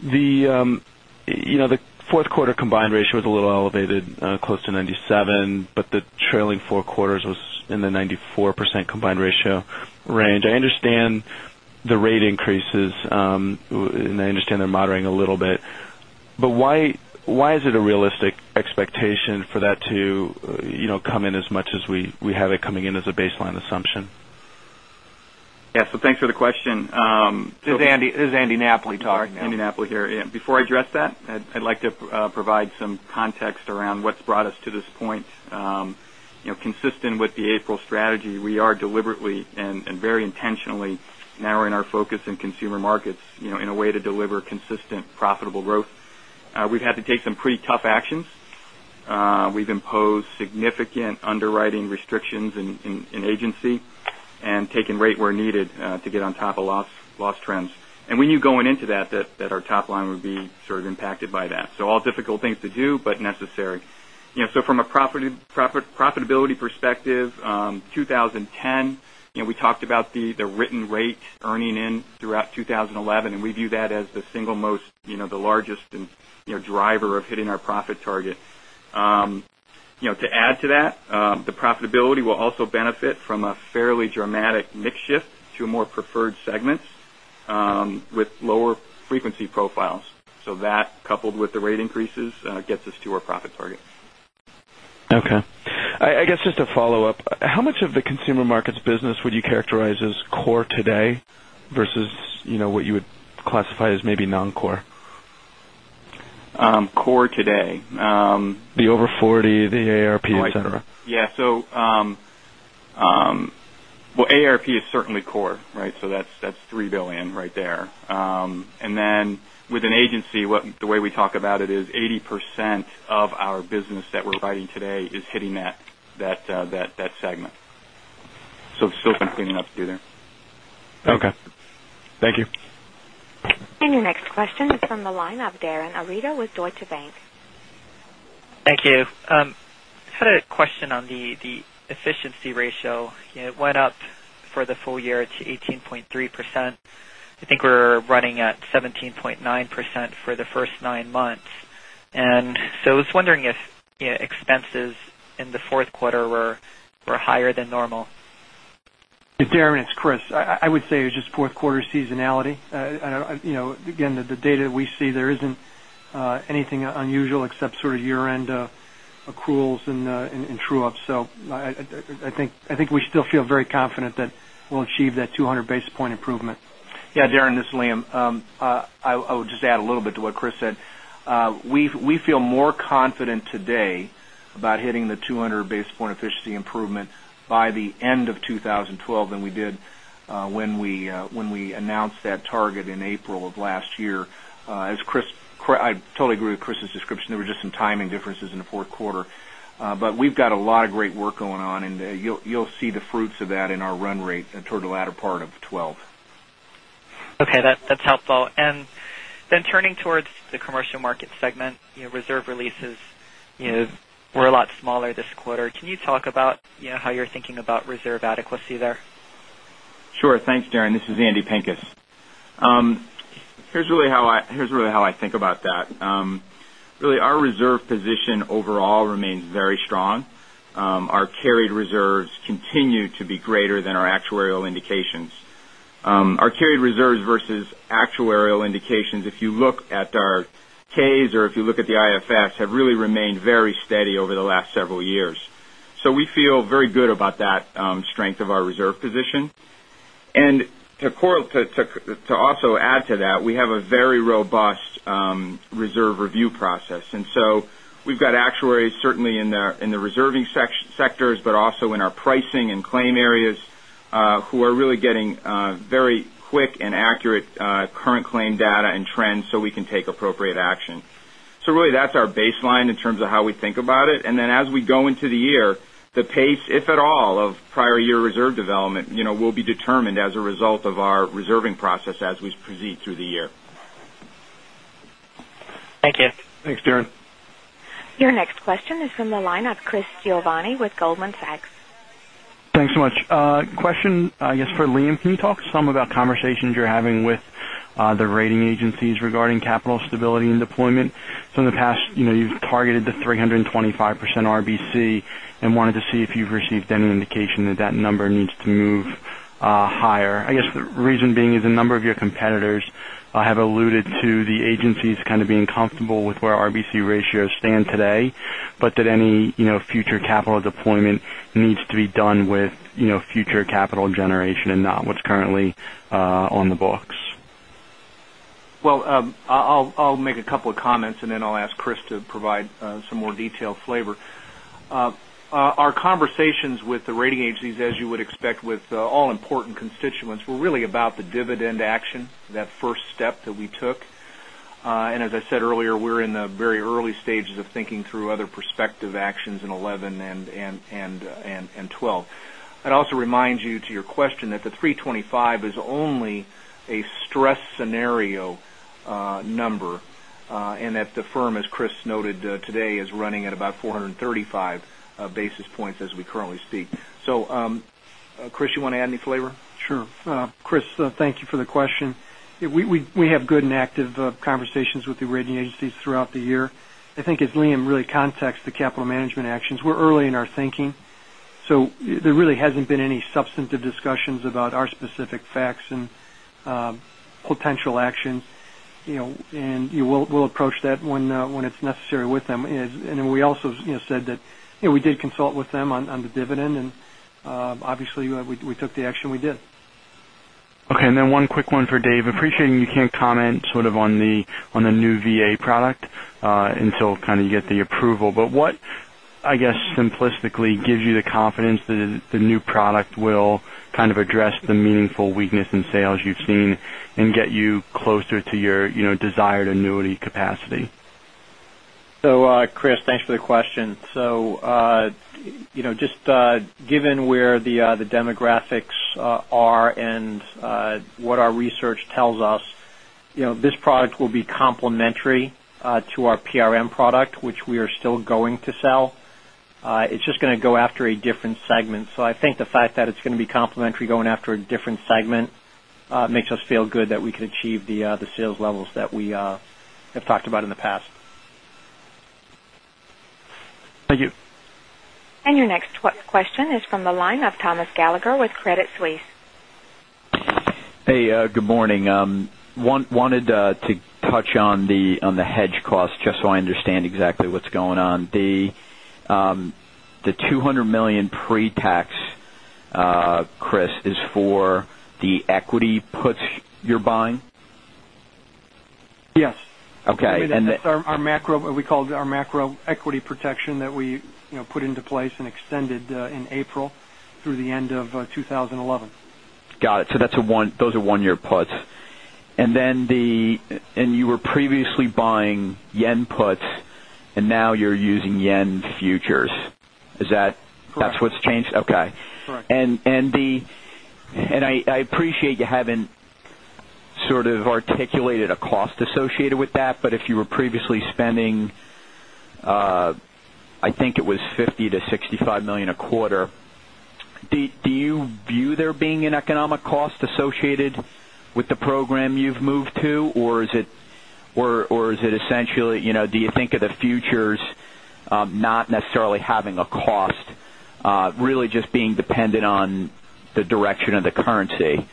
The fourth quarter combined ratio was a little elevated, close to 97, but the trailing four quarters was in the 94% combined ratio range. I understand the rate increases, and I understand they are moderating a little bit, but why is it a realistic expectation for that to come in as much as we have it coming in as a baseline assumption? Yeah. Thanks for the question. This is Andy Napoli talking now. Andy Napoli here. Before I address that, I'd like to provide some context around what's brought us to this point. Consistent with the April strategy, we are deliberately and very intentionally narrowing our focus in Consumer Markets in a way to deliver consistent, profitable growth. We've had to take some pretty tough actions. We've imposed significant underwriting restrictions in agency and taken rate where needed to get on top of loss trends. We knew going into that our top line would be sort of impacted by that. All difficult things to do, but necessary. From a profitability perspective, 2010, we talked about the written rate earning in throughout 2011, and we view that as the single largest driver of hitting our profit target. To add to that, the profitability will also benefit from a fairly dramatic mix shift to more preferred segments with lower frequency profiles. That, coupled with the rate increases, gets us to our profit target. Okay. I guess just to follow up, how much of the Consumer Markets business would you characterize as core today versus what you would classify as maybe non-core? Core today The over 40, the AARP, et cetera. Yeah. Well, AARP is certainly core, right? That's $3 billion right there. With an agency, the way we talk about it is 80% of our business that we're writing today is hitting that segment. Still some cleaning up to do there. Okay. Thank you. Your next question is from the line of Darin Arita with Deutsche Bank. Thank you. I had a question on the efficiency ratio. It went up for the full year to 18.3%. I think we were running at 17.9% for the first nine months, I was wondering if expenses in the fourth quarter were higher than normal. Darin, it's Chris. I would say it was just fourth quarter seasonality. Again, the data we see there isn't anything unusual except year-end accruals and true-ups. I think we still feel very confident that we'll achieve that 200 basis point improvement. Darin, this is Liam. I would just add a little bit to what Chris said. We feel more confident today about hitting the 200 basis point efficiency improvement by the end of 2012 than we did when we announced that target in April of last year. I totally agree with Chris's description. There were just some timing differences in the fourth quarter. We've got a lot of great work going on, and you'll see the fruits of that in our run rate toward the latter part of 2012. That's helpful. Turning towards the Commercial Markets segment, reserve releases were a lot smaller this quarter. Can you talk about how you're thinking about reserve adequacy there? Sure. Thanks, Darin. This is Andrew Pinkes. Here's really how I think about that. Really, our reserve position overall remains very strong. Our carried reserves continue to be greater than our actuarial indications. Our carried reserves versus actuarial indications, if you look at our K's or if you look at the IFFs, have really remained very steady over the last several years. We feel very good about that strength of our reserve position. To also add to that, we have a very robust reserve review process. We've got actuaries certainly in the reserving sectors, but also in our pricing and claim areas, who are really getting very quick and accurate current claim data and trends so we can take appropriate action. Really that's our baseline in terms of how we think about it. As we go into the year, the pace, if at all, of prior year reserve development will be determined as a result of our reserving process as we proceed through the year. Thank you. Thanks, Darin. Your next question is from the line of Chris Giovanni with Goldman Sachs. Thanks so much. Question, I guess, for Liam. Can you talk some about conversations you're having with the rating agencies regarding capital stability and deployment? In the past, you've targeted the 325% RBC and wanted to see if you've received any indication that that number needs to move higher. I guess the reason being is a number of your competitors have alluded to the agencies kind of being comfortable with where RBC ratios stand today, but that any future capital deployment needs to be done with future capital generation and not what's currently on the books. I'll make a couple of comments and then I'll ask Chris to provide some more detailed flavor. Our conversations with the rating agencies, as you would expect with all important constituents, were really about the dividend action, that first step that we took. As I said earlier, we're in the very early stages of thinking through other prospective actions in 2011 and 2012. I'd also remind you to your question that the 325 is only a stress scenario number, and that the firm, as Chris noted today, is running at about 435 basis points as we currently speak. Chris, you want to add any flavor? Sure. Chris, thank you for the question. We have good and active conversations with the rating agencies throughout the year. I think as Liam really context the capital management actions, we're early in our thinking. There really hasn't been any substantive discussions about our specific facts and potential action. We'll approach that when it's necessary with them. We also said that we did consult with them on the dividend, and obviously we took the action we did. Okay. One quick one for Dave. Appreciating you can't comment sort of on the new VA product until kind of you get the approval. What, I guess, simplistically gives you the confidence that the new product will kind of address the meaningful weakness in sales you've seen and get you closer to your desired annuity capacity? Chris, thanks for the question. Just given where the demographics are and what our research tells us, this product will be complementary to our PRM product, which we are still going to sell. It's just going to go after a different segment. I think the fact that it's going to be complementary going after a different segment makes us feel good that we can achieve the sales levels that we have talked about in the past. Thank you. Your next question is from the line of Thomas Gallagher with Credit Suisse. Hey, good morning. Wanted to touch on the hedge cost just so I understand exactly what's going on. The $200 million pre-tax, Chris, is for the equity puts you're buying? Yes. Okay. That's our macro, we call it our macro equity protection that we put into place and extended in April through the end of 2011. Got it. Those are one-year puts. You were previously buying yen puts and now you're using yen futures. Is that? Correct. That's what's changed? Okay. Correct. I appreciate you haven't sort of articulated a cost associated with that, but if you were previously spending, I think it was $50 million-$65 million a quarter, do you view there being an economic cost associated with the program you've moved to? Or do you think of the futures not necessarily having a cost, really just being dependent on the direction of the currency?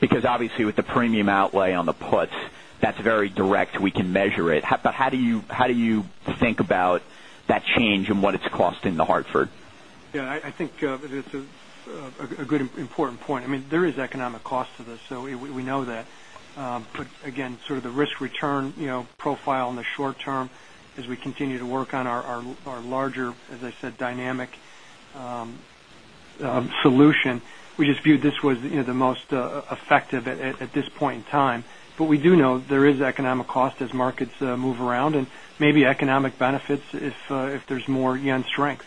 Because obviously with the premium outlay on the puts, that's very direct. We can measure it. How do you think about that change and what it's costing The Hartford? I think this is a good, important point. There is economic cost to this, so we know that. Again, sort of the risk return profile in the short term as we continue to work on our larger, as I said, dynamic solution. We just viewed this was the most effective at this point in time. We do know there is economic cost as markets move around and maybe economic benefits if there's more yen strength.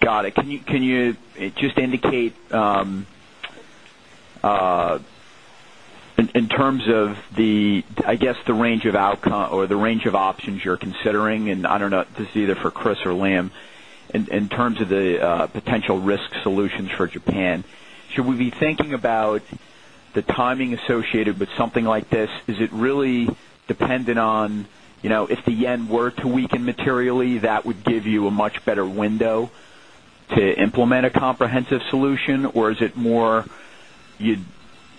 Got it. Can you just indicate in terms of the range of outcome or the range of options you're considering? I don't know this is either for Chris or Liam. In terms of the potential risk solutions for Japan, should we be thinking about the timing associated with something like this? Is it really dependent on if the yen were to weaken materially, that would give you a much better window to implement a comprehensive solution? Or is it more you'd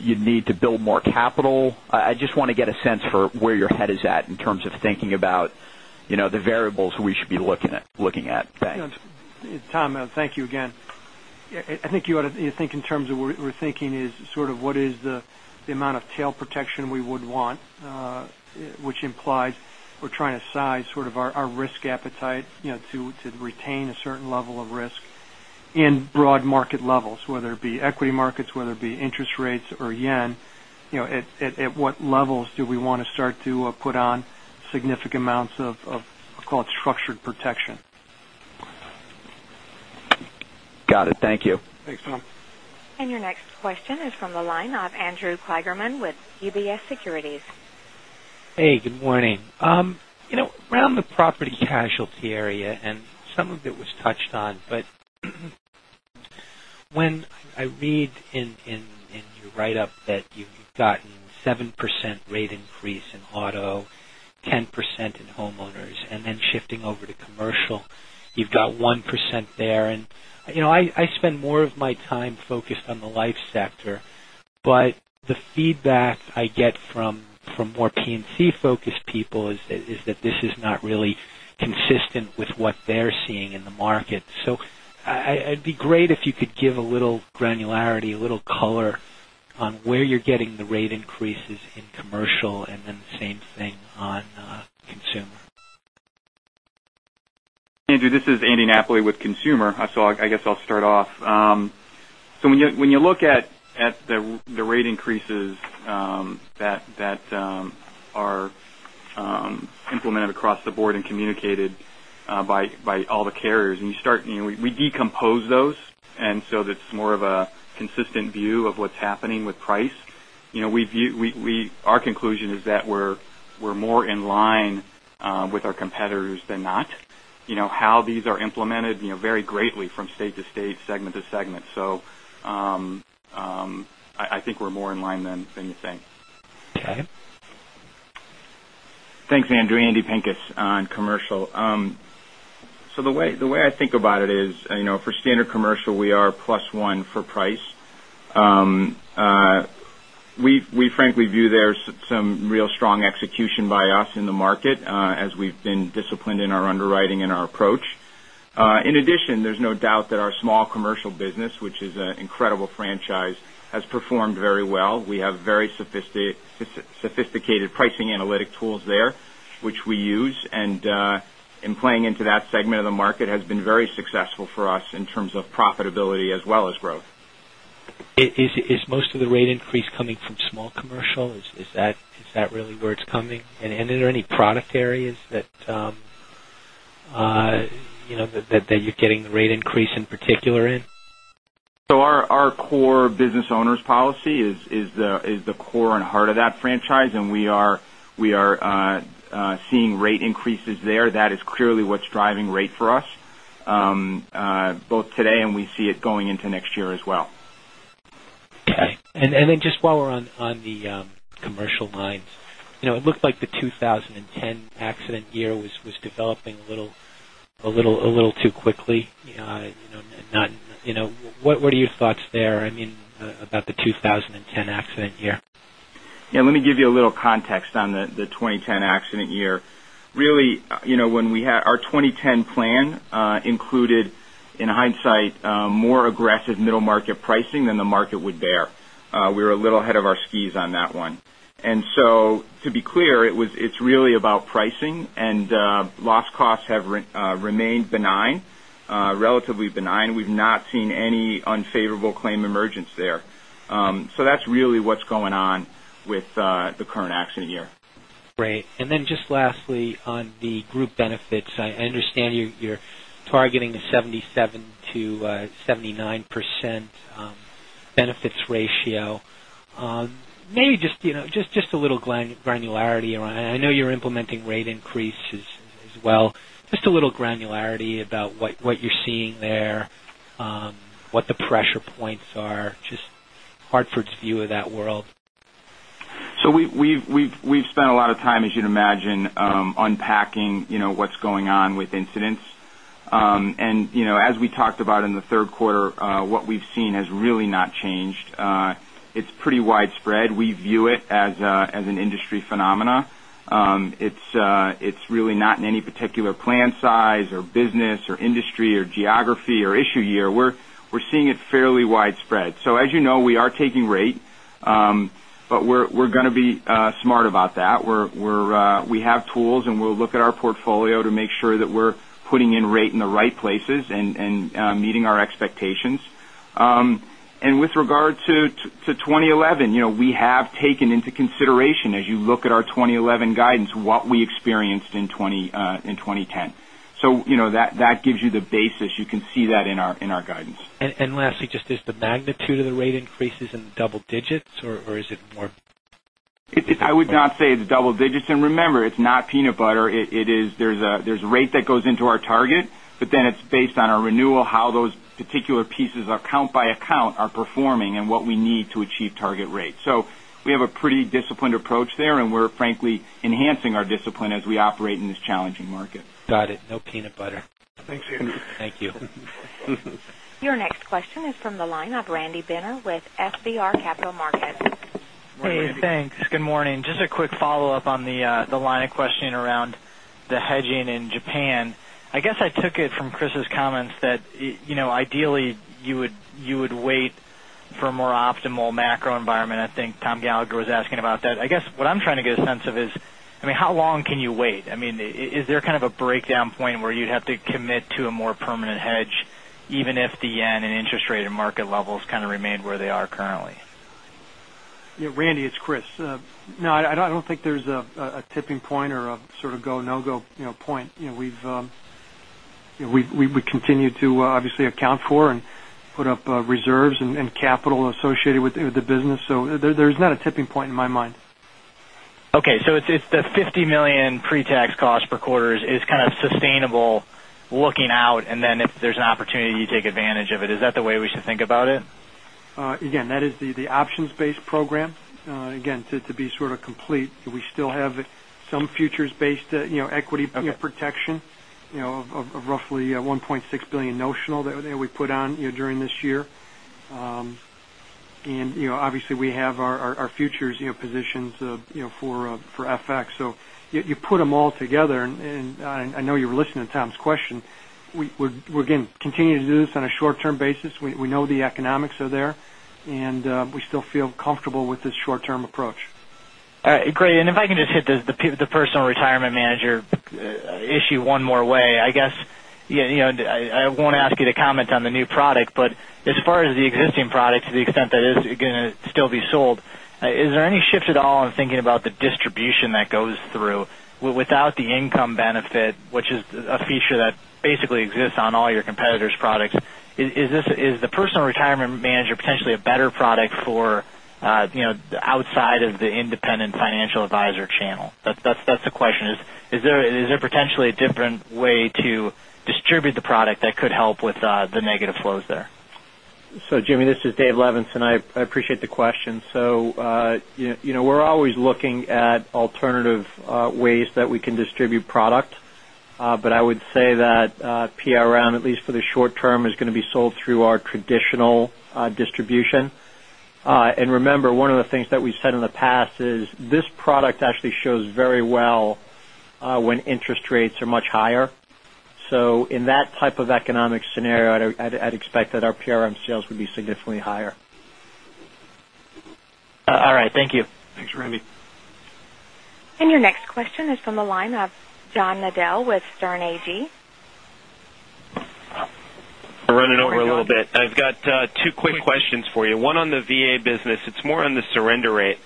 need to build more capital? I just want to get a sense for where your head is at in terms of thinking about the variables we should be looking at. Thanks. Tom, thank you again. I think in terms of we're thinking is sort of what is the amount of tail protection we would want, which implies we're trying to size sort of our risk appetite to retain a certain level of risk. In broad market levels, whether it be equity markets, whether it be interest rates or yen, at what levels do we want to start to put on significant amounts of, I'll call it structured protection? Got it. Thank you. Thanks, Tom. Your next question is from the line of Andrew Kligerman with UBS Securities. Good morning. Around the property casualty area, some of it was touched on, but when I read in your write-up that you've gotten 7% rate increase in auto, 10% in homeowners, then shifting over to Commercial, you've got 1% there. I spend more of my time focused on the life sector, but the feedback I get from more P&C-focused people is that this is not really consistent with what they're seeing in the market. It'd be great if you could give a little granularity, a little color on where you're getting the rate increases in Commercial, and then the same thing on Consumer. Andrew, this is Andy Napoli with Consumer. I guess I'll start off. When you look at the rate increases that are implemented across the board and communicated by all the carriers, we decompose those and so that it's more of a consistent view of what's happening with price. Our conclusion is that we're more in line with our competitors than not. How these are implemented vary greatly from state to state, segment to segment. I think we're more in line than you think. Okay. Thanks, Andrew. Andrew Pinkes on Commercial. The way I think about it is, for standard Commercial, we are plus one for price. We frankly view there's some real strong execution by us in the market as we've been disciplined in our underwriting and our approach. In addition, there's no doubt that our small Commercial business, which is an incredible franchise, has performed very well. We have very sophisticated pricing analytic tools there, which we use, and playing into that segment of the market has been very successful for us in terms of profitability as well as growth. Is most of the rate increase coming from small Commercial? Is that really where it's coming? Are there any product areas that you're getting the rate increase in particular in? Our core business owner's policy is the core and heart of that franchise, we are seeing rate increases there. That is clearly what's driving rate for us both today, we see it going into next year as well. Just while we're on the commercial lines, it looked like the 2010 accident year was developing a little too quickly. What are your thoughts there, about the 2010 accident year? Let me give you a little context on the 2010 accident year. Really, our 2010 plan included, in hindsight, more aggressive middle market pricing than the market would bear. We were a little ahead of our skis on that one. To be clear, it's really about pricing and loss costs have remained relatively benign. We've not seen any unfavorable claim emergence there. That's really what's going on with the current accident year. Just lastly, on the group benefits, I understand you're targeting a 77%-79% benefits ratio. Maybe just a little granularity around it. I know you're implementing rate increases as well. Just a little granularity about what you're seeing there, what the pressure points are, just The Hartford's view of that world. We've spent a lot of time, as you'd imagine, unpacking what's going on with incidents. As we talked about in the third quarter, what we've seen has really not changed. It's pretty widespread. We view it as an industry phenomenon. It's really not in any particular plan size or business or industry or geography or issue year. We're seeing it fairly widespread. As you know, we are taking rate, but we're going to be smart about that. We have tools, and we'll look at our portfolio to make sure that we're putting in rate in the right places and meeting our expectations. With regard to 2011, we have taken into consideration, as you look at our 2011 guidance, what we experienced in 2010. That gives you the basis. You can see that in our guidance. Lastly, just is the magnitude of the rate increases in double digits, or is it more- I would not say it's double digits. Remember, it's not peanut butter. There's a rate that goes into our target, but then it's based on our renewal, how those particular pieces count by account are performing and what we need to achieve target rate. We have a pretty disciplined approach there, and we're frankly enhancing our discipline as we operate in this challenging market. Got it. No peanut butter. Thanks, Andrew. Thank you. Your next question is from the line of Randy Binner with FBR Capital Markets. Hey, Randy. Hey, thanks. Good morning. Just a quick follow-up on the line of questioning around the hedging in Japan. I guess I took it from Chris's comments that ideally you would wait for a more optimal macro environment, I think Tom Gallagher was asking about that. I guess what I'm trying to get a sense of is, how long can you wait? Is there a breakdown point where you'd have to commit to a more permanent hedge, even if the yen and interest rate and market levels remain where they are currently? Yeah, Randy, it's Chris. I don't think there's a tipping point or a go, no-go point. We continue to obviously account for and put up reserves and capital associated with the business. There's not a tipping point in my mind. The $50 million pre-tax cost per quarter is sustainable looking out, if there's an opportunity, you take advantage of it. Is that the way we should think about it? That is the options-based program. To be complete, we still have some futures-based equity protection. Okay of roughly $1.6 billion notional that we put on during this year. Obviously, we have our futures positions for FX. You put them all together, and I know you were listening to Tom's question. We're, again, continuing to do this on a short-term basis. We know the economics are there, and we still feel comfortable with this short-term approach. All right, great. If I can just hit the Personal Retirement Manager issue one more way. I won't ask you to comment on the new product, as far as the existing product, to the extent that is going to still be sold, is there any shift at all in thinking about the distribution that goes through without the income benefit, which is a feature that basically exists on all your competitors' products? Is the Personal Retirement Manager potentially a better product for outside of the independent financial advisor channel? That's the question. Is there potentially a different way to distribute the product that could help with the negative flows there? Jimmy, this is David Levenson. I appreciate the question. We're always looking at alternative ways that we can distribute product. I would say that PRM, at least for the short term, is going to be sold through our traditional distribution. Remember, one of the things that we've said in the past is this product actually shows very well when interest rates are much higher. In that type of economic scenario, I'd expect that our PRM sales would be significantly higher. All right. Thank you. Thanks, Randy. Your next question is from the line of John Nadel with Sterne Agee. We're running over a little bit. I've got two quick questions for you. One on the VA business. It's more on the surrender rate.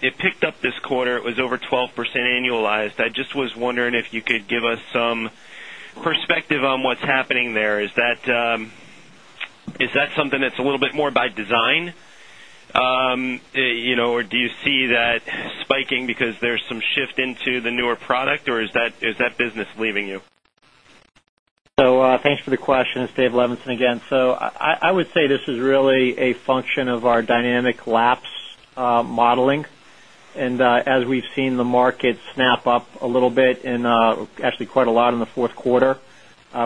It picked up this quarter. It was over 12% annualized. I just was wondering if you could give us some perspective on what's happening there. Is that something that's a little bit more by design? Or do you see that spiking because there's some shift into the newer product, or is that business leaving you? Thanks for the question. It's David Levenson again. I would say this is really a function of our dynamic lapse modeling. As we've seen the market snap up a little bit and actually quite a lot in the fourth quarter,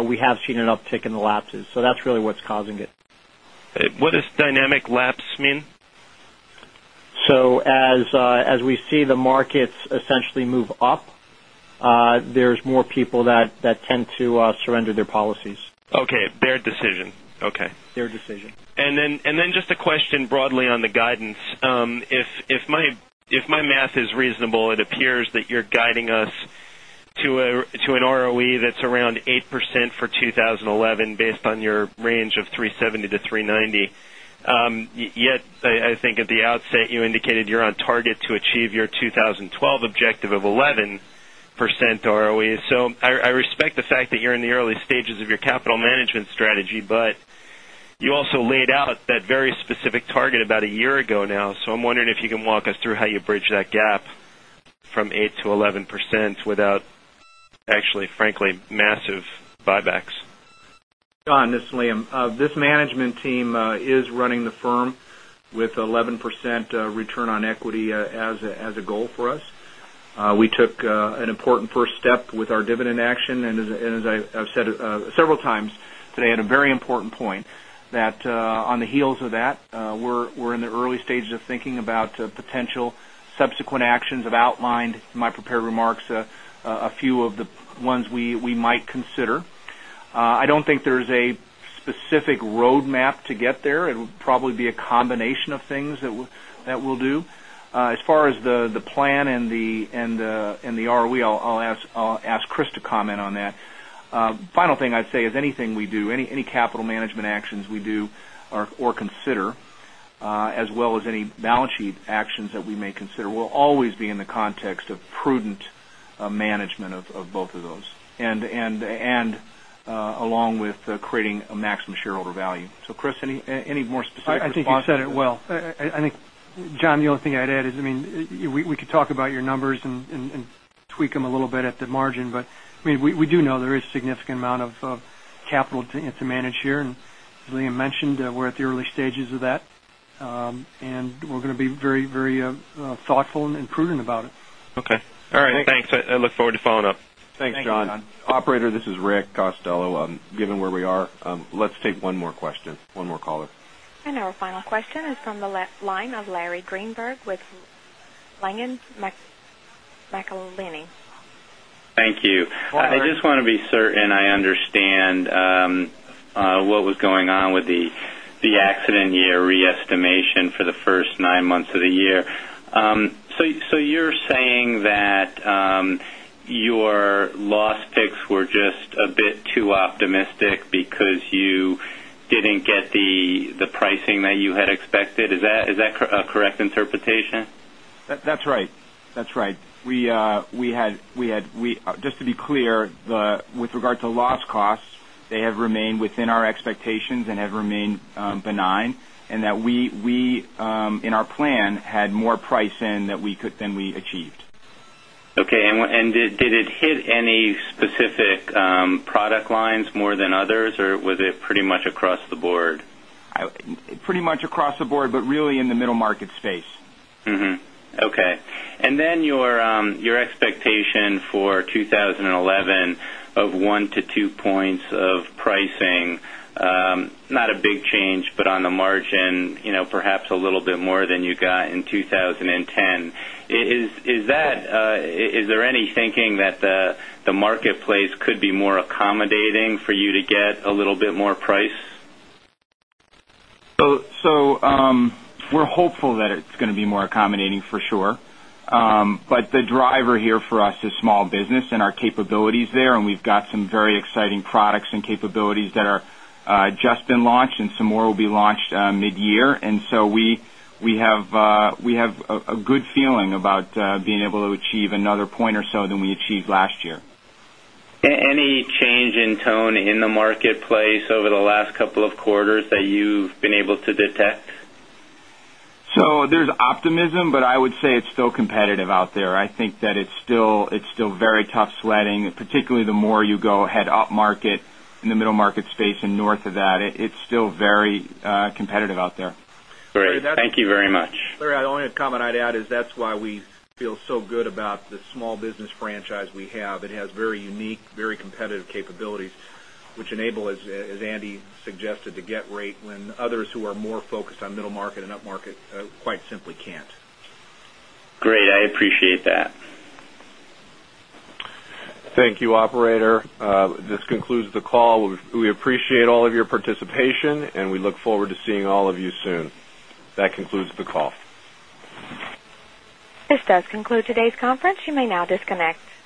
we have seen an uptick in the lapses. That's really what's causing it. What does dynamic lapse mean? As we see the markets essentially move up, there's more people that tend to surrender their policies. Okay. Their decision. Okay. Their decision. Just a question broadly on the guidance. If my math is reasonable, it appears that you're guiding us to an ROE that's around 8% for 2011 based on your range of $370-$390. Yet, I think at the outset, you indicated you're on target to achieve your 2012 objective of 11% ROE. I respect the fact that you're in the early stages of your capital management strategy, but you also laid out that very specific target about a year ago now. I'm wondering if you can walk us through how you bridge that gap from 8%-11% without actually, frankly, massive buybacks. John, this is Liam. This management team is running the firm with 11% return on equity as a goal for us. We took an important first step with our dividend action. As I've said several times today, at a very important point, that on the heels of that, we're in the early stages of thinking about potential subsequent actions. I've outlined in my prepared remarks a few of the ones we might consider. I don't think there is a specific roadmap to get there. It will probably be a combination of things that we'll do. As far as the plan and the ROE, I'll ask Chris to comment on that. Final thing I'd say is anything we do, any capital management actions we do or consider, as well as any balance sheet actions that we may consider, will always be in the context of prudent management of both of those and along with creating maximum shareholder value. Chris, any more specific response? I think you said it well. I think, John, the only thing I'd add is, we could talk about your numbers and tweak them a little bit at the margin, but we do know there is a significant amount of capital to manage here. As Liam mentioned, we're at the early stages of that. We're going to be very thoughtful and prudent about it. Okay. All right. Thanks. I look forward to following up. Thanks, John. Thank you, John. Operator, this is Rick Costello. Given where we are, let's take one more question. One more caller. Our final question is from the line of Larry Greenberg with Langen McAlenney. Thank you. Go ahead, Larry. I just want to be certain I understand what was going on with the accident year re-estimation for the first nine months of the year. You're saying that your loss picks were just a bit too optimistic because you didn't get the pricing that you had expected. Is that a correct interpretation? That's right. Just to be clear, with regard to loss costs, they have remained within our expectations and have remained benign, and that we, in our plan, had more price in than we achieved. Okay. Did it hit any specific product lines more than others, or was it pretty much across the board? Pretty much across the board, but really in the middle market space. Mm-hmm. Okay. Your expectation for 2011 of one to two points of pricing, not a big change, but on the margin, perhaps a little bit more than you got in 2010. Is there any thinking that the marketplace could be more accommodating for you to get a little bit more price? We're hopeful that it's going to be more accommodating, for sure. The driver here for us is small business and our capabilities there, and we've got some very exciting products and capabilities that are just been launched, and some more will be launched mid-year. We have a good feeling about being able to achieve another point or so than we achieved last year. Any change in tone in the marketplace over the last couple of quarters that you've been able to detect? There's optimism, but I would say it's still competitive out there. I think that it's still very tough sledding, particularly the more you go head upmarket in the middle market space and north of that. It's still very competitive out there. Great. Thank you very much. Larry, the only comment I'd add is that's why we feel so good about the small business franchise we have. It has very unique, very competitive capabilities, which enable, as Andy suggested, to get rate when others who are more focused on middle market and upmarket, quite simply can't. Great. I appreciate that. Thank you, operator. This concludes the call. We appreciate all of your participation, and we look forward to seeing all of you soon. That concludes the call. This does conclude today's conference. You may now disconnect.